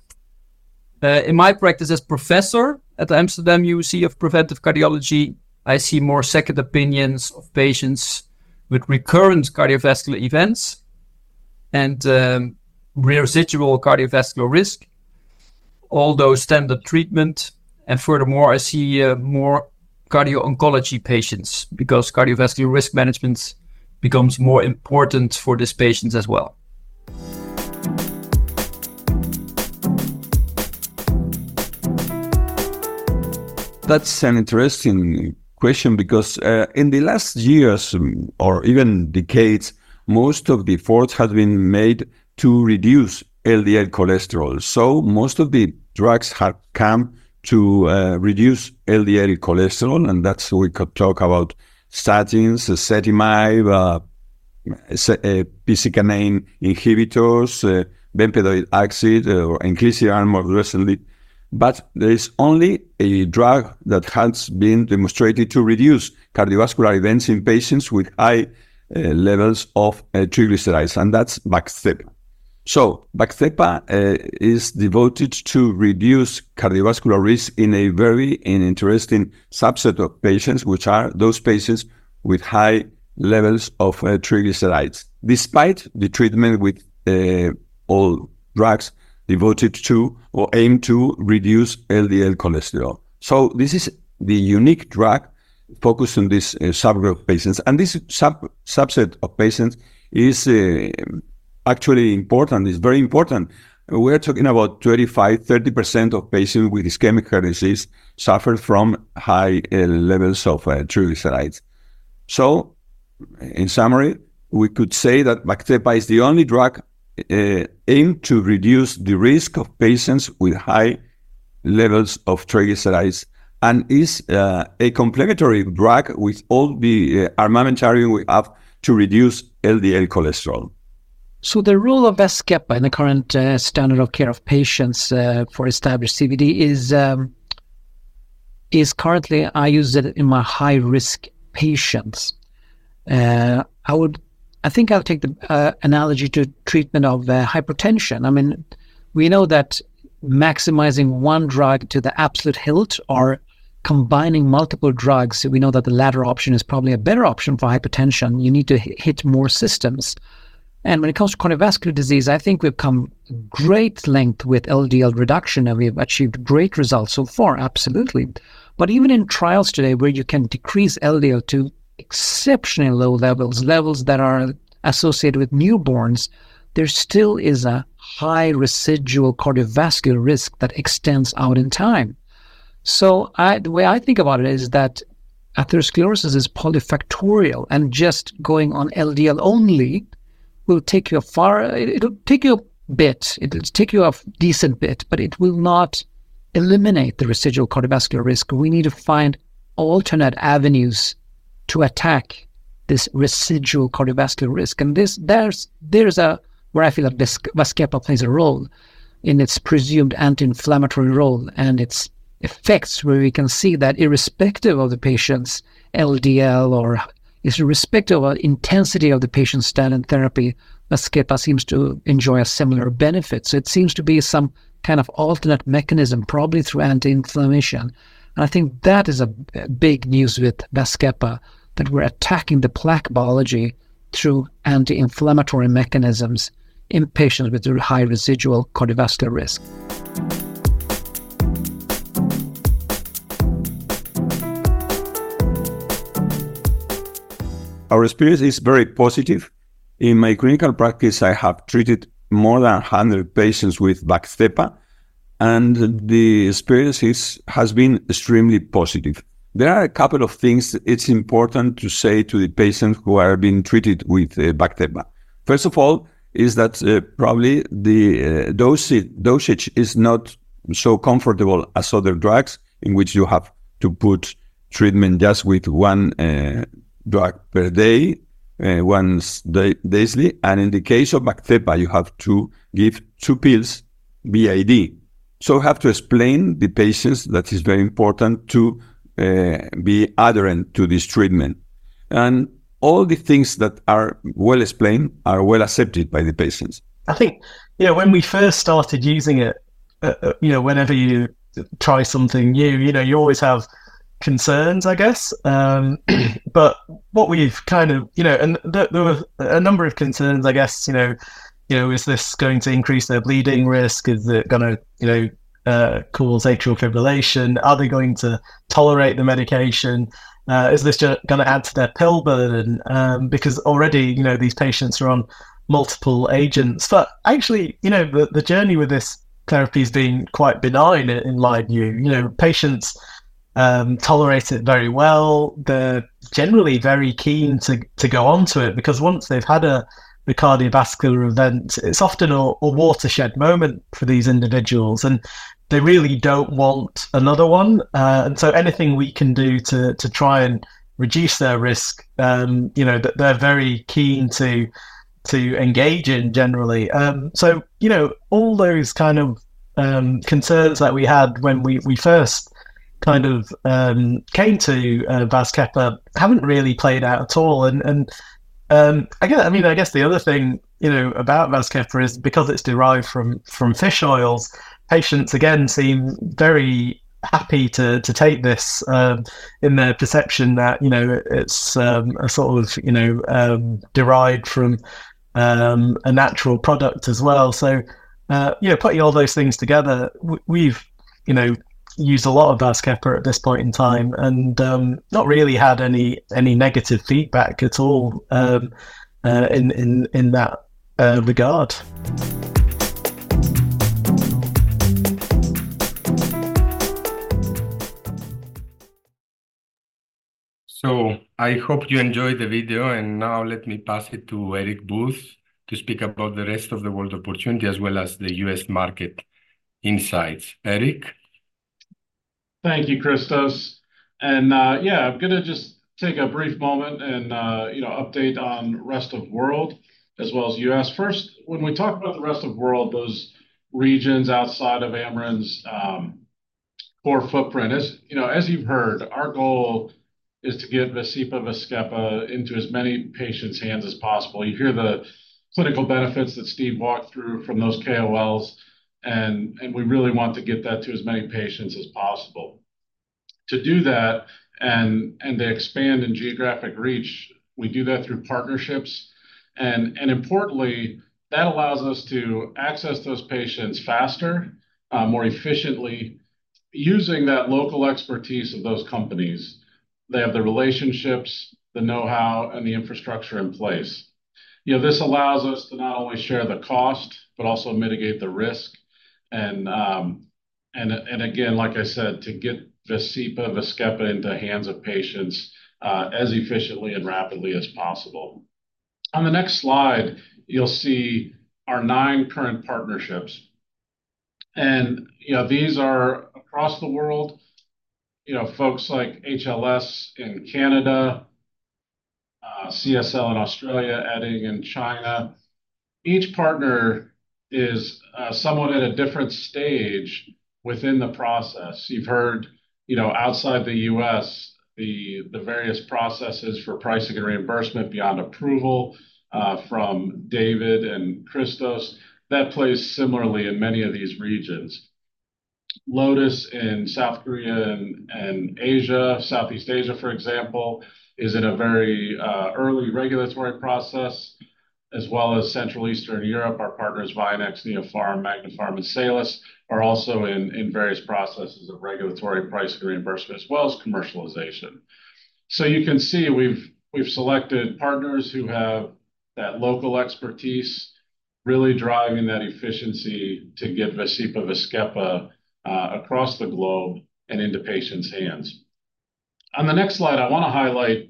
In my practice as professor at the Amsterdam UMC of Preventive Cardiology, I see more second opinions of patients with recurrent cardiovascular events and residual cardiovascular risk, although standard treatment, and furthermore, I see more cardio-oncology patients because cardiovascular risk management becomes more important for these patients as well. That's an interesting question because in the last years or even decades, most of the efforts have been made to reduce LDL cholesterol, so most of the drugs have come to reduce LDL cholesterol, and that's what we could talk about: statins, ezetimibe, PCSK9 inhibitors, bempedoic acid, or inclisiran, more recently, but there is only a drug that has been demonstrated to reduce cardiovascular events in patients with high levels of triglycerides, and that's VAZKEPA. VAZKEPA is devoted to reducing cardiovascular risk in a very interesting subset of patients, which are those patients with high levels of triglycerides, despite the treatment with all drugs devoted to or aimed to reduce LDL cholesterol. This is the unique drug focused on this subgroup of patients. And this subset of patients is actually important. It's very important. We are talking about 25%-30% of patients with ischemic heart disease suffering from high levels of triglycerides. In summary, we could say that VAZKEPA is the only drug aimed to reduce the risk of patients with high levels of triglycerides and is a complementary drug with all the armamentarium we have to reduce LDL cholesterol. The role of VAZKEPA in the current standard of care of patients for established CVD is currently I use it in my high-risk patients. I think I'll take the analogy to treatment of hypertension. I mean, we know that maximizing one drug to the absolute hilt or combining multiple drugs, we know that the latter option is probably a better option for hypertension. You need to hit more systems. And when it comes to cardiovascular disease, I think we've come a great length with LDL reduction, and we've achieved great results so far, absolutely. But even in trials today where you can decrease LDL to exceptionally low levels, levels that are associated with newborns, there still is a high residual cardiovascular risk that extends out in time. So the way I think about it is that atherosclerosis is polyfactorial, and just going on LDL only will take you so far. It'll take you a bit. It'll take you a decent bit, but it will not eliminate the residual cardiovascular risk. We need to find alternate avenues to attack this residual cardiovascular risk, and there's where I feel like VAZKEPA plays a role in its presumed anti-inflammatory role and its effects where we can see that irrespective of the patient's LDL or irrespective of the intensity of the patient's standard therapy, VAZKEPA seems to enjoy similar benefits, so it seems to be some kind of alternate mechanism, probably through anti-inflammation, and I think that is a big news with VAZKEPA, that we're attacking the plaque biology through anti-inflammatory mechanisms in patients with high residual cardiovascular risk. Our experience is very positive. In my clinical practice, I have treated more than 100 patients with VAZKEPA, and the experience has been extremely positive. There are a couple of things it's important to say to the patients who have been treated with VAZKEPA. First of all, is that probably the dosage is not so comfortable as other drugs in which you have to put treatment just with one drug per day, once daily. And in the case of VAZKEPA, you have to give two pills b.i.d. So we have to explain to the patients that it's very important to be adherent to this treatment. And all the things that are well explained are well accepted by the patients. I think, you know, when we first started using it, you know, you always have concerns, I guess. But what we've kind of, you know, and there were a number of concerns, I guess, you know, is this going to increase their bleeding risk? Is it going to cause atrial fibrillation? Are they going to tolerate the medication? Is this going to add to their pill burden? Because already, you know, these patients are on multiple agents. But actually, you know, the journey with this therapy has been quite benign, in my view. You know, patients tolerate it very well. They're generally very keen to go on to it because once they've had the cardiovascular event, it's often a watershed moment for these individuals, and they really don't want another one. And so anything we can do to try and reduce their risk, you know, that they're very keen to engage in generally. So, you know, all those kind of concerns that we had when we first kind of came to VAZKEPA haven't really played out at all. I guess, I mean, I guess the other thing, you know, about VAZKEPA is because it's derived from fish oils, patients, again, seem very happy to take this in their perception that, you know, it's a sort of, you know, derived from a natural product as well. You know, putting all those things together, we've, you know, used a lot of VAZKEPA at this point in time and not really had any negative feedback at all in that regard. I hope you enjoyed the video. Now let me pass it to Eric Booth to speak about the rest of the world opportunity as well as the U.S. market insights. Eric? Thank you, Christos. Yeah, I'm going to just take a brief moment and, you know, update on the rest of the world as well as the U.S. First, when we talk about the rest of the world, those regions outside of Amarin's core footprint, as you've heard, our goal is to get VASCEPA, VASCEPA into as many patients' hands as possible. You hear the clinical benefits that Steve walked through from those KOLs, and we really want to get that to as many patients as possible. To do that and to expand in geographic reach, we do that through partnerships, and importantly, that allows us to access those patients faster, more efficiently, using that local expertise of those companies. They have the relationships, the know-how, and the infrastructure in place. You know, this allows us to not only share the cost, but also mitigate the risk, and again, like I said, to get VASCEPA, VASCEPA into the hands of patients as efficiently and rapidly as possible. On the next slide, you'll see our nine current partnerships. These are across the world, you know, folks like HLS in Canada, CSL in Australia, Edding in China. Each partner is somewhat at a different stage within the process. You've heard, you know, outside the U.S., the various processes for pricing and reimbursement beyond approval from David and Christos. That plays similarly in many of these regions. Lotus in South Korea and Asia, Southeast Asia, for example, is in a very early regulatory process, as well as Central and Eastern Europe. Our partners, Vianex, Neopharm, MagnaPharm, and Salus are also in various processes of regulatory pricing and reimbursement, as well as commercialization. So you can see we've selected partners who have that local expertise really driving that efficiency to get VASCEPA, VASCEPA across the globe and into patients' hands. On the next slide, I want to highlight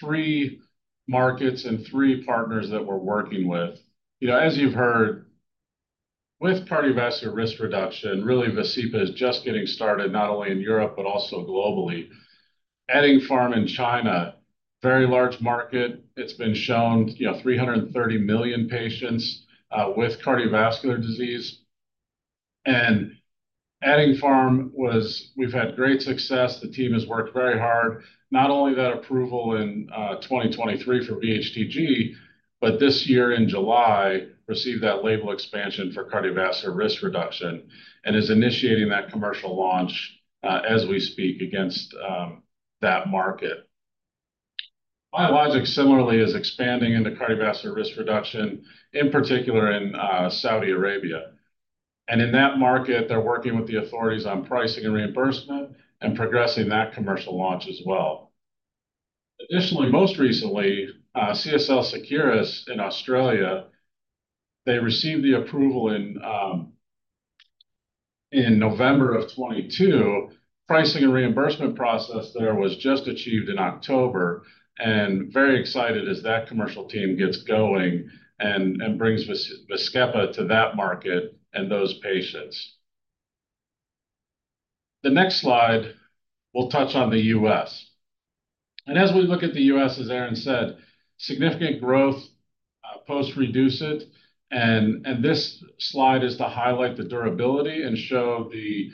three markets and three partners that we're working with. You know, as you've heard, with cardiovascular risk reduction, really VASCEPA is just getting started, not only in Europe, but also globally. Eddingpharm in China, very large market. It's been shown, you know, 330 million patients with cardiovascular disease. And Eddingpharm was, we've had great success. The team has worked very hard. Not only that approval in 2023 for VHTG, but this year in July, received that label expansion for cardiovascular risk reduction and is initiating that commercial launch as we speak against that market. Biologix similarly is expanding into cardiovascular risk reduction, in particular in Saudi Arabia. And in that market, they're working with the authorities on pricing and reimbursement and progressing that commercial launch as well. Additionally, most recently, CSL Seqirus in Australia, they received the approval in November of 2022. Pricing and reimbursement process there was just achieved in October. Very excited as that commercial team gets going and brings VASCEPA to that market and those patients. The next slide, we'll touch on the U.S. As we look at the U.S., as Aaron said, significant growth post-REDUCE-IT. This slide is to highlight the durability and show the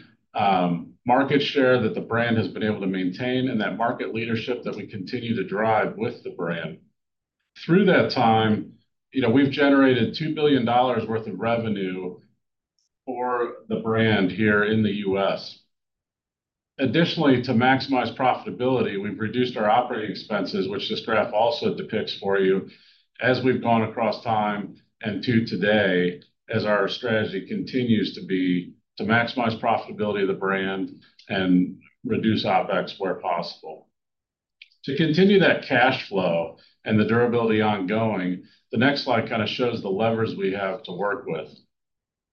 market share that the brand has been able to maintain and that market leadership that we continue to drive with the brand. Through that time, you know, we've generated $2 billion worth of revenue for the brand here in the U.S. Additionally, to maximize profitability, we've reduced our operating expenses, which this graph also depicts for you, as we've gone across time and to today, as our strategy continues to be to maximize profitability of the brand and reduce OPEX where possible. To continue that cash flow and the durability ongoing, the next slide kind of shows the levers we have to work with.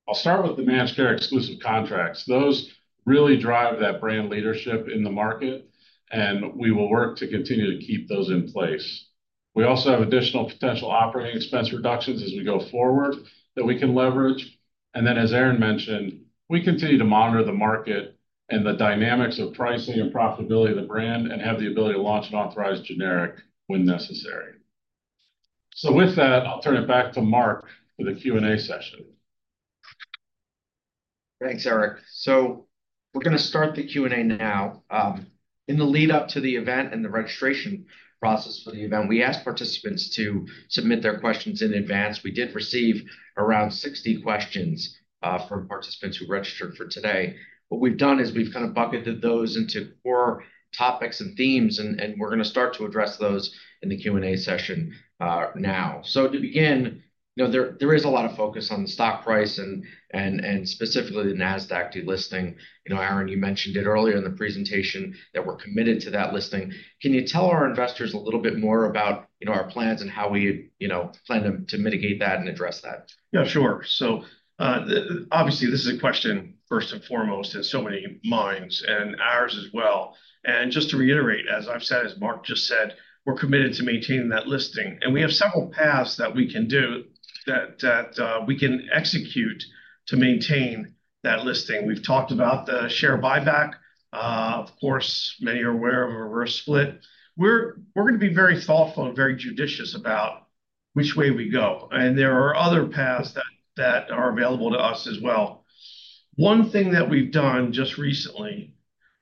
I'll start with the managed care exclusive contracts. Those really drive that brand leadership in the market, and we will work to continue to keep those in place. We also have additional potential operating expense reductions as we go forward that we can leverage. And then, as Aaron mentioned, we continue to monitor the market and the dynamics of pricing and profitability of the brand and have the ability to launch an authorized generic when necessary. So with that, I'll turn it back to Mark for the Q&A session. Thanks, Eric. So we're going to start the Q&A now. In the lead-up to the event and the registration process for the event, we asked participants to submit their questions in advance. We did receive around 60 questions from participants who registered for today. What we've done is we've kind of bucketed those into core topics and themes, and we're going to start to address those in the Q&A session now. So to begin, you know, there is a lot of focus on the stock price and specifically the NASDAQ delisting. You know, Aaron, you mentioned it earlier in the presentation that we're committed to that listing. Can you tell our investors a little bit more about, you know, our plans and how we, you know, plan to mitigate that and address that? Yeah, sure. So obviously, this is a question first and foremost in so many minds and ours as well. And just to reiterate, as I've said, as Mark just said, we're committed to maintaining that listing. And we have several paths that we can execute to maintain that listing. We've talked about the share buyback. Of course, many are aware of a reverse split. We're going to be very thoughtful and very judicious about which way we go. And there are other paths that are available to us as well. One thing that we've done just recently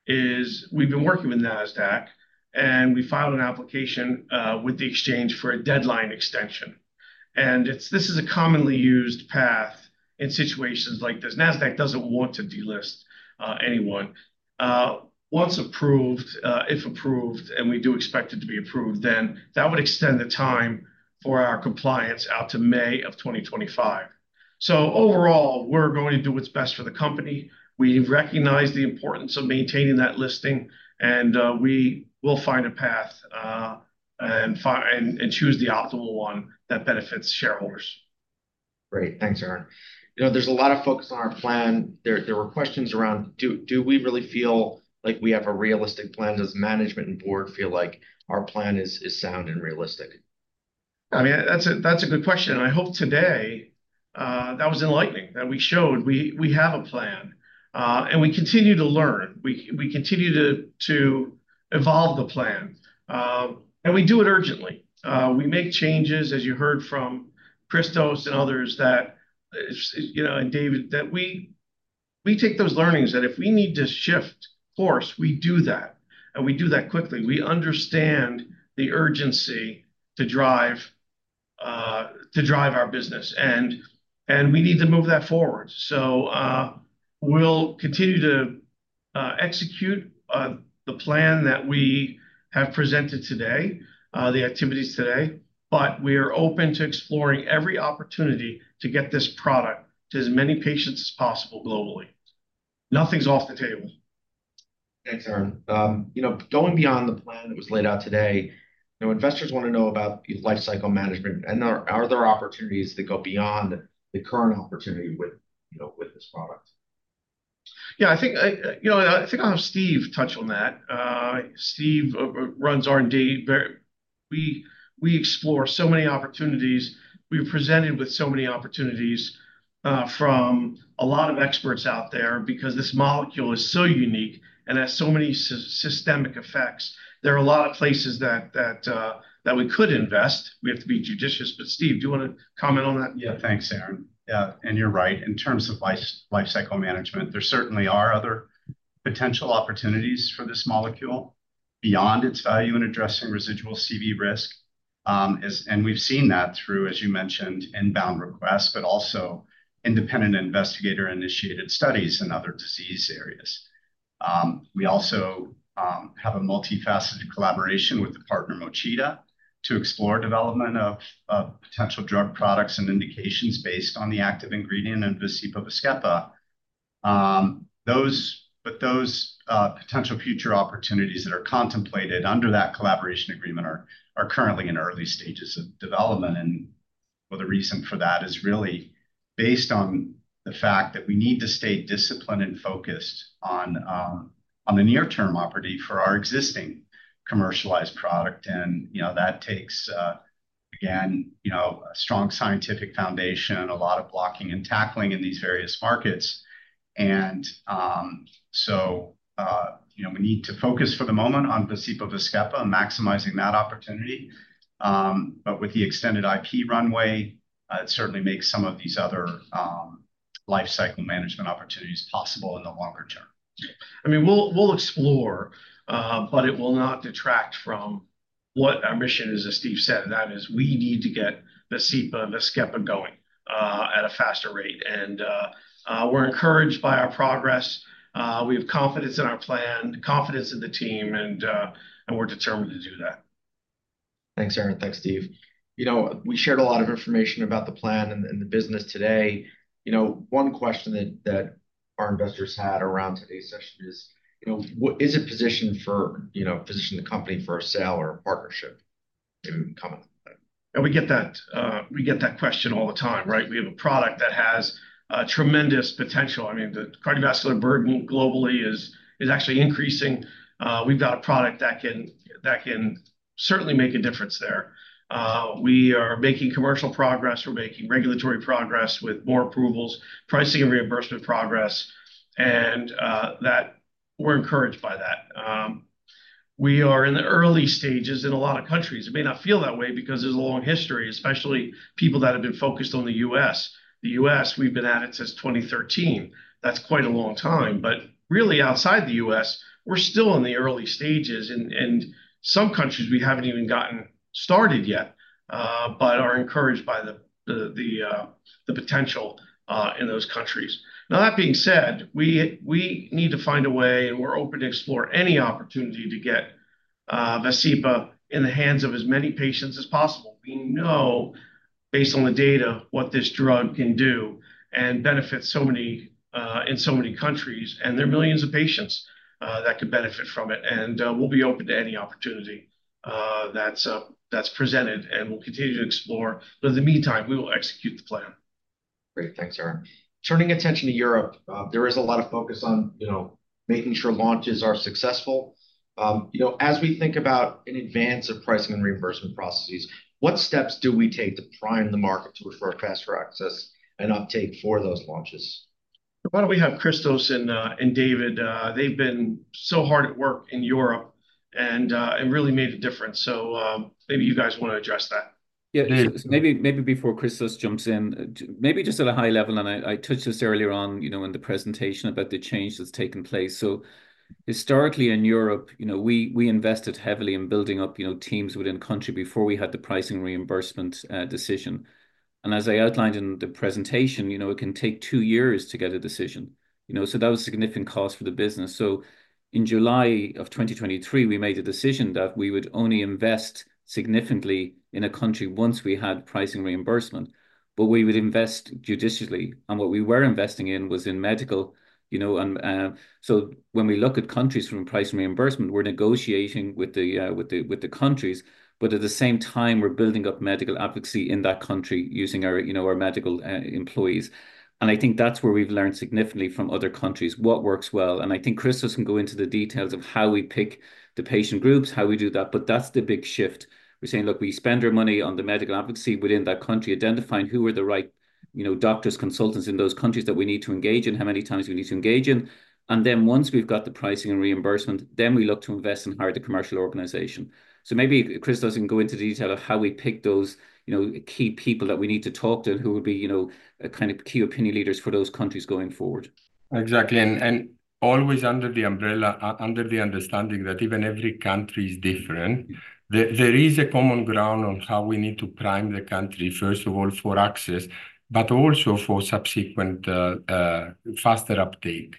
is we've been working with NASDAQ, and we filed an application with the exchange for a deadline extension. And this is a commonly used path in situations like this. NASDAQ doesn't want to delist anyone. Once approved, if approved, and we do expect it to be approved, then that would extend the time for our compliance out to May of 2025. So overall, we're going to do what's best for the company. We recognize the importance of maintaining that listing, and we will find a path and choose the optimal one that benefits shareholders. Great. Thanks, Aaron. You know, there's a lot of focus on our plan. There were questions around, do we really feel like we have a realistic plan? Does management and board feel like our plan is sound and realistic? I mean, that's a good question, and I hope today that was enlightening, that we showed we have a plan and we continue to learn. We continue to evolve the plan, and we do it urgently. We make changes, as you heard from Christos and others, you know, and David, that we take those learnings, that if we need to shift course, we do that, and we do that quickly. We understand the urgency to drive our business, and we need to move that forward. So we'll continue to execute the plan that we have presented today, the activities today, but we are open to exploring every opportunity to get this product to as many patients as possible globally. Nothing's off the table. Thanks, Aaron. You know, going beyond the plan that was laid out today, you know, investors want to know about life cycle management and are there opportunities that go beyond the current opportunity with this product? Yeah, I think, you know, I think I'll have Steve touch on that. Steve runs R&D. We explore so many opportunities. We've presented with so many opportunities from a lot of experts out there because this molecule is so unique and has so many systemic effects. There are a lot of places that we could invest. We have to be judicious. But Steve, do you want to comment on that? Yeah, thanks, Aaron. Yeah, and you're right. In terms of life cycle management, there certainly are other potential opportunities for this molecule beyond its value in addressing residual CV risk. And we've seen that through, as you mentioned, inbound requests, but also independent investigator-initiated studies in other disease areas. We also have a multifaceted collaboration with the partner Mochida to explore development of potential drug products and indications based on the active ingredient in VASCEPA. But those potential future opportunities that are contemplated under that collaboration agreement are currently in early stages of development. And the reason for that is really based on the fact that we need to stay disciplined and focused on the near-term operating for our existing commercialized product. And you know, that takes, again, you know, a strong scientific foundation, a lot of blocking and tackling in these various markets. And so, you know, we need to focus for the moment on VASCEPA, VASCEPA, maximizing that opportunity. But with the extended IP runway, it certainly makes some of these other life cycle management opportunities possible in the longer term. I mean, we'll explore, but it will not detract from what our mission is, as Steve said. That is, we need to get VASCEPA, VASCEPA going at a faster rate. And we're encouraged by our progress. We have confidence in our plan, confidence in the team, and we're determined to do that. Thanks, Aaron. Thanks, Steve. You know, we shared a lot of information about the plan and the business today. You know, one question that our investors had around today's session is, you know, is it positioned for, you know, position the company for a sale or a partnership? Maybe we can comment on that. And we get that question all the time, right? We have a product that has tremendous potential. I mean, the cardiovascular burden globally is actually increasing. We've got a product that can certainly make a difference there. We are making commercial progress. We're making regulatory progress with more approvals, pricing and reimbursement progress, and that we're encouraged by that. We are in the early stages in a lot of countries. It may not feel that way because there's a long history, especially people that have been focused on the U.S. The U.S., we've been at it since 2013. That's quite a long time. But really, outside the U.S., we're still in the early stages. And some countries, we haven't even gotten started yet, but are encouraged by the potential in those countries. Now, that being said, we need to find a way, and we're open to explore any opportunity to get VASCEPA in the hands of as many patients as possible. We know, based on the data, what this drug can do and benefit so many in so many countries. And there are millions of patients that could benefit from it. And we'll be open to any opportunity that's presented, and we'll continue to explore. But in the meantime, we will execute the plan. Great. Thanks, Aaron. Turning attention to Europe, there is a lot of focus on, you know, making sure launches are successful. You know, as we think about in advance of pricing and reimbursement processes, what steps do we take to prime the market to refer faster access and uptake for those launches? Why don't we have Christos and David? They've been so hard at work in Europe and really made a difference. So maybe you guys want to address that. Yeah, maybe before Christos jumps in, maybe just at a high level, and I touched this earlier on, you know, in the presentation about the change that's taken place. So historically in Europe, you know, we invested heavily in building up, you know, teams within the country before we had the pricing reimbursement decision. And as I outlined in the presentation, you know, it can take two years to get a decision. You know, so that was a significant cost for the business. So in July of 2023, we made a decision that we would only invest significantly in a country once we had pricing reimbursement, but we would invest judiciously. And what we were investing in was in medical, you know. When we look at countries from pricing reimbursement, we're negotiating with the countries, but at the same time, we're building up medical advocacy in that country using our, you know, our medical employees. I think that's where we've learned significantly from other countries what works well. I think Christos can go into the details of how we pick the patient groups, how we do that. That's the big shift. We're saying, look, we spend our money on the medical advocacy within that country, identifying who are the right, you know, doctors, consultants in those countries that we need to engage in, how many times we need to engage in. Then once we've got the pricing and reimbursement, then we look to invest in hiring the commercial organization. So maybe Christos can go into detail of how we pick those, you know, key people that we need to talk to and who would be, you know, kind of key opinion leaders for those countries going forward. Exactly. And always under the umbrella, under the understanding that even every country is different, there is a common ground on how we need to prime the country, first of all, for access, but also for subsequent faster uptake.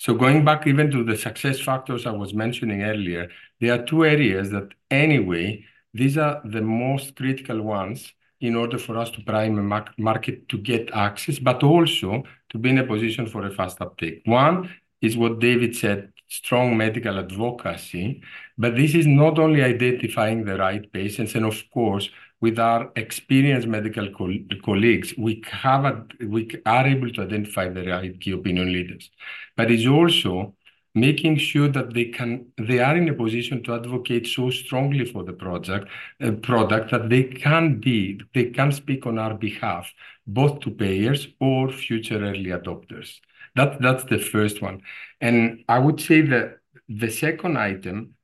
So going back even to the success factors I was mentioning earlier, there are two areas that anyway, these are the most critical ones in order for us to prime a market to get access, but also to be in a position for a fast uptake. One is what David said, strong medical advocacy, but this is not only identifying the right patients. And of course, with our experienced medical colleagues, we are able to identify the right key opinion leaders. But it's also making sure that they are in a position to advocate so strongly for the project and product that they can be, they can speak on our behalf, both to payers or future early adopters. That's the first one. And I would say that the second item,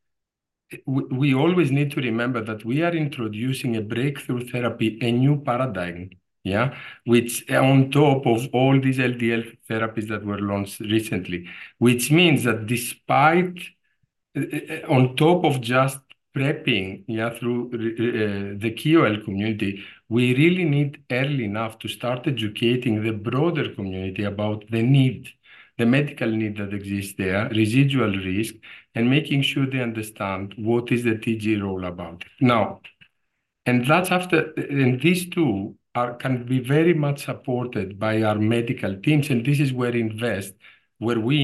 we always need to remember that we are introducing a breakthrough therapy, a new paradigm, yeah, which on top of all these LDL therapies that were launched recently, which means that despite, on top of just prepping, yeah, through the KOL community, we really need early enough to start educating the broader community about the need, the medical need that exists there, residual risk, and making sure they understand what is the TG role about. Now, and that's after, and these two can be very much supported by our medical teams, and this is where we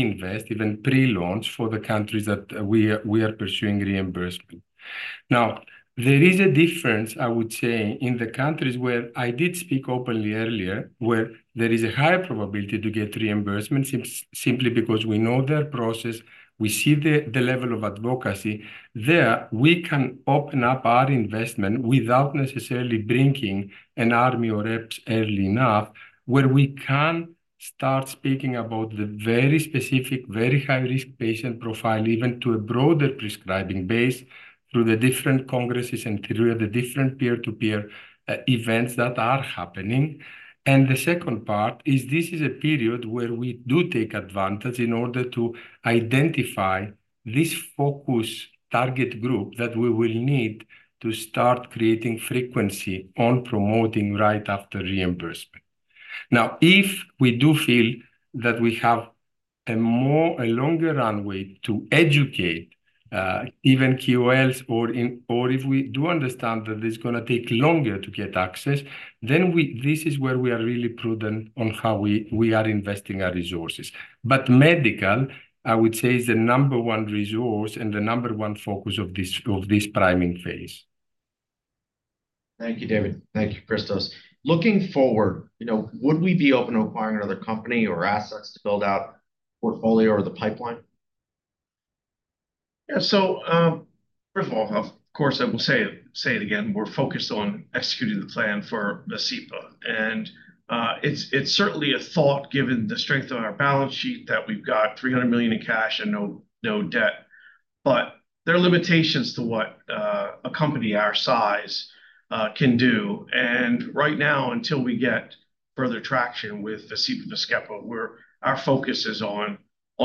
invest, even pre-launch for the countries that we are pursuing reimbursement. Now, there is a difference, I would say, in the countries where I did speak openly earlier, where there is a higher probability to get reimbursement simply because we know their process, we see the level of advocacy there, we can open up our investment without necessarily bringing an army of reps early enough where we can start speaking about the very specific, very high-risk patient profile, even to a broader prescribing base through the different congresses and through the different peer-to-peer events that are happening. And the second part is this is a period where we do take advantage in order to identify this focus target group that we will need to start creating frequency on promoting right after reimbursement. Now, if we do feel that we have a more, a longer runway to educate even KOLs or if we do understand that it's going to take longer to get access, then this is where we are really prudent on how we are investing our resources. But medical, I would say, is the number one resource and the number one focus of this priming phase. Thank you, David. Thank you, Christos. Looking forward, you know, would we be open to acquiring another company or assets to build out portfolio or the pipeline? Yeah, so first of all, of course, I will say it again, we're focused on executing the plan for VASCEPA. And it's certainly a thought given the strength of our balance sheet that we've got $300 million in cash and no debt. But there are limitations to what a company our size can do. And right now, until we get further traction with VASCEPA and VASCEPA, our focus is on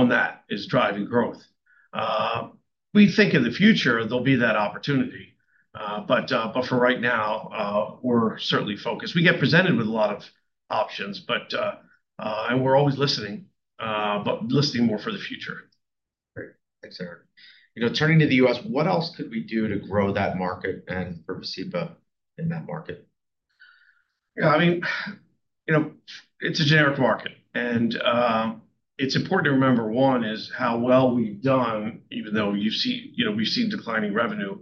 that, is driving growth. We think in the future there'll be that opportunity. But for right now, we're certainly focused. We get presented with a lot of options, but we're always listening, but listening more for the future. Great. Thanks, Aaron. You know, turning to the U.S., what else could we do to grow that market and for VASCEPA in that market? Yeah, I mean, you know, it's a generic market. And it's important to remember, one is how well we've done, even though you've seen, you know, we've seen declining revenue.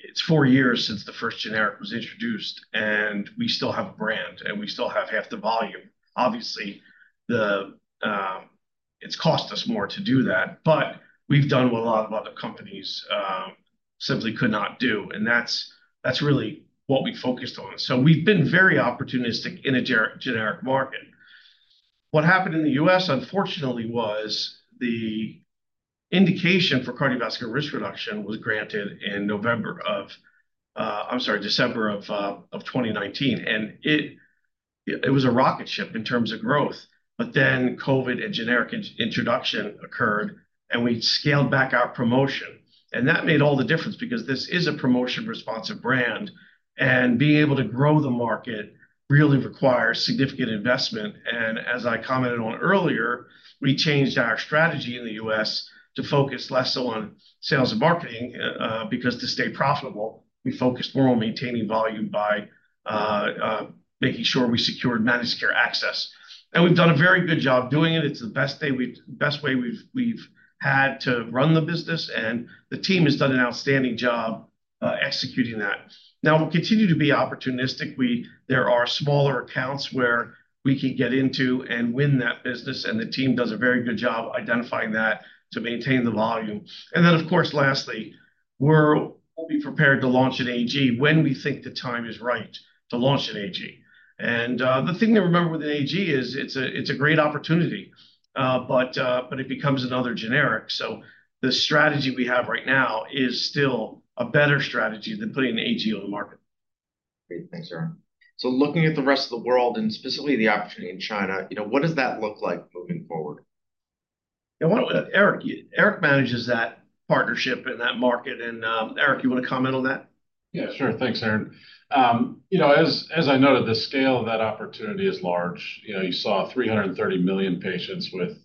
It's four years since the first generic was introduced, and we still have a brand, and we still have half the volume. Obviously, it's cost us more to do that, but we've done what a lot of other companies simply could not do. And that's really what we focused on. So we've been very opportunistic in a generic market. What happened in the U.S., unfortunately, was the indication for cardiovascular risk reduction was granted in November of, I'm sorry, December of 2019. And it was a rocket ship in terms of growth. But then COVID and generic introduction occurred, and we scaled back our promotion. And that made all the difference because this is a promotion-responsive brand. And being able to grow the market really requires significant investment. And as I commented on earlier, we changed our strategy in the U.S. to focus less on sales and marketing because to stay profitable, we focused more on maintaining volume by making sure we secured managed care access. And we've done a very good job doing it. It's the best way we've had to run the business. And the team has done an outstanding job executing that. Now, we'll continue to be opportunistic. There are smaller accounts where we can get into and win that business. And the team does a very good job identifying that to maintain the volume. And then, of course, lastly, we'll be prepared to launch an AG when we think the time is right to launch an AG. And the thing to remember with an AG is it's a great opportunity, but it becomes another generic. So the strategy we have right now is still a better strategy than putting an AG on the market. Great. Thanks, Aaron. So looking at the rest of the world and specifically the opportunity in China, you know, what does that look like moving forward? Yeah, Eric manages that partnership in that market. And Eric, you want to comment on that? Yeah, sure. Thanks, Aaron. You know, as I noted, the scale of that opportunity is large. You know, you saw 330 million patients with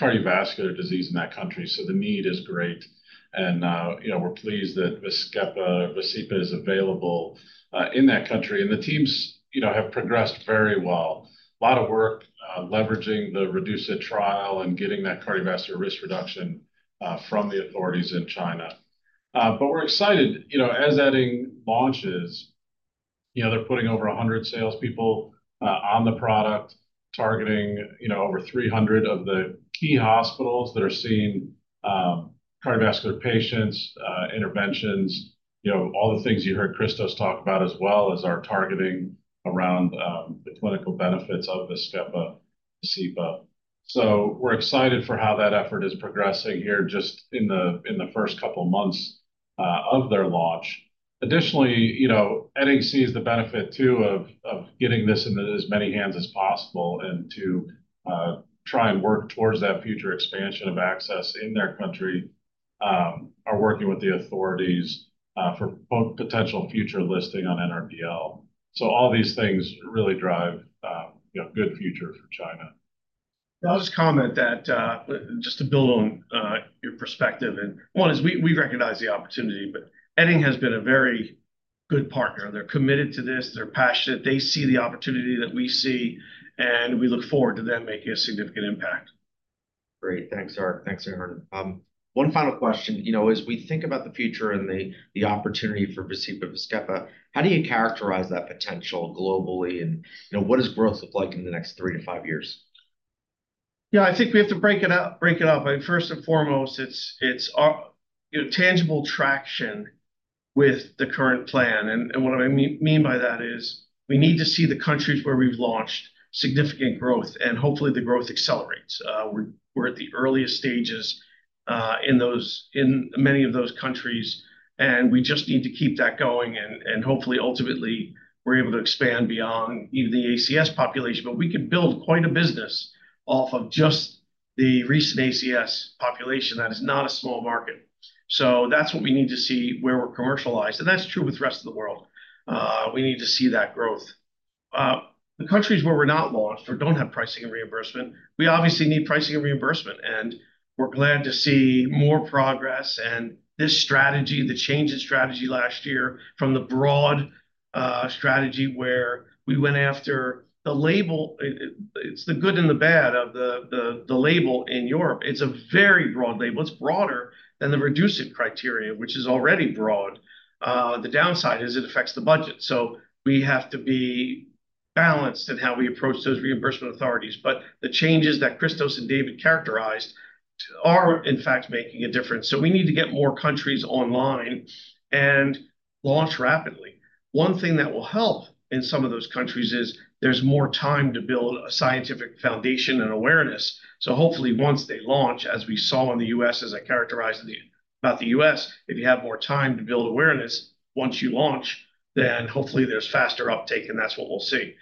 cardiovascular disease in that country. So the need is great. And you know, we're pleased that VASCEPA is available in that country. And the teams, you know, have progressed very well. A lot of work leveraging the REDUCE-IT trial and getting that cardiovascular risk reduction from the authorities in China. But we're excited, you know, as Edding launches, you know, they're putting over 100 salespeople on the product, targeting, you know, over 300 of the key hospitals that are seeing cardiovascular patients, interventions, you know, all the things you heard Christos talk about as well as our targeting around the clinical benefits of VASCEPA and VASCEPA. So we're excited for how that effort is progressing here just in the first couple of months of their launch. Additionally, you know, NHC is the benefit too of getting this into as many hands as possible and to try and work towards that future expansion of access in their country, are working with the authorities for potential future listing on NRDL. So all these things really drive, you know, a good future for China. I'll just comment that just to build on your perspective and one is we recognize the opportunity, but Edding has been a very good partner. They're committed to this. They're passionate. They see the opportunity that we see, and we look forward to them making a significant impact. Great. Thanks, Aaron. Thanks, Aaron. One final question, you know, as we think about the future and the opportunity for VASCEPA and VASCEPA, how do you characterize that potential globally? And you know, what does growth look like in the next three to five years? Yeah, I think we have to break it up. First and foremost, it's tangible traction with the current plan. And what I mean by that is we need to see the countries where we've launched significant growth, and hopefully the growth accelerates. We're at the earliest stages in many of those countries, and we just need to keep that going. Hopefully, ultimately, we're able to expand beyond even the ACS population, but we can build quite a business off of just the recent ACS population that is not a small market. So that's what we need to see where we're commercialized. And that's true with the rest of the world. We need to see that growth. The countries where we're not launched or don't have pricing and reimbursement, we obviously need pricing and reimbursement. And we're glad to see more progress and this strategy, the change in strategy last year from the broad strategy where we went after the label. It's the good and the bad of the label in Europe. It's a very broad label. It's broader than the REDUCE-IT criteria, which is already broad. The downside is it affects the budget. So we have to be balanced in how we approach those reimbursement authorities. But the changes that Christos and David characterized are in fact making a difference. So we need to get more countries online and launch rapidly. One thing that will help in some of those countries is there's more time to build a scientific foundation and awareness. So hopefully once they launch, as we saw in the U.S., as I characterized about the U.S., if you have more time to build awareness once you launch, then hopefully there's faster uptake and that's what we'll see.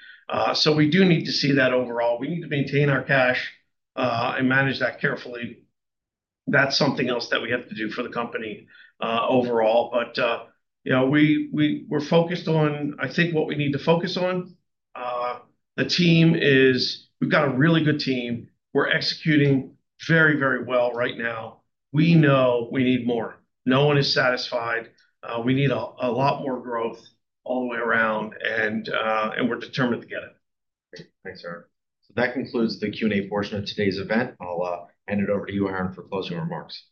So we do need to see that overall. We need to maintain our cash and manage that carefully. That's something else that we have to do for the company overall. But you know, we're focused on, I think what we need to focus on. The team is, we've got a really good team. We're executing very, very well right now. We know we need more. No one is satisfied. We need a lot more growth all the way around, and we're determined to get it. Great. Thanks, Aaron. So that concludes the Q&A portion of today's event. I'll hand it over to you, Aaron, for closing remarks.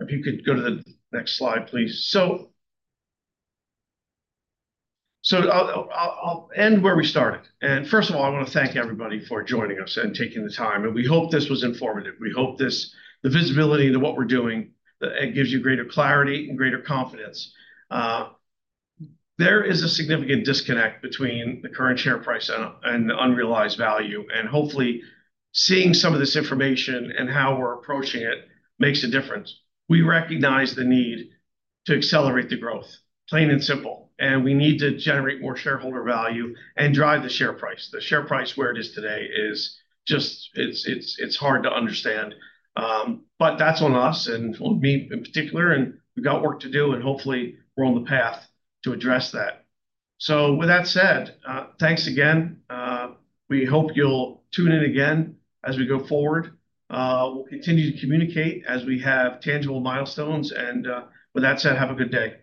If you could go to the next slide, please. So I'll end where we started. And first of all, I want to thank everybody for joining us and taking the time. And we hope this was informative. We hope this, the visibility into what we're doing, it gives you greater clarity and greater confidence. There is a significant disconnect between the current share price and the unrealized value. And hopefully seeing some of this information and how we're approaching it makes a difference. We recognize the need to accelerate the growth, plain and simple. And we need to generate more shareholder value and drive the share price. The share price where it is today is just, it's hard to understand. But that's on us and on me in particular, and we've got work to do, and hopefully we're on the path to address that. So with that said, thanks again. We hope you'll tune in again as we go forward. We'll continue to communicate as we have tangible milestones. And with that said, have a good day.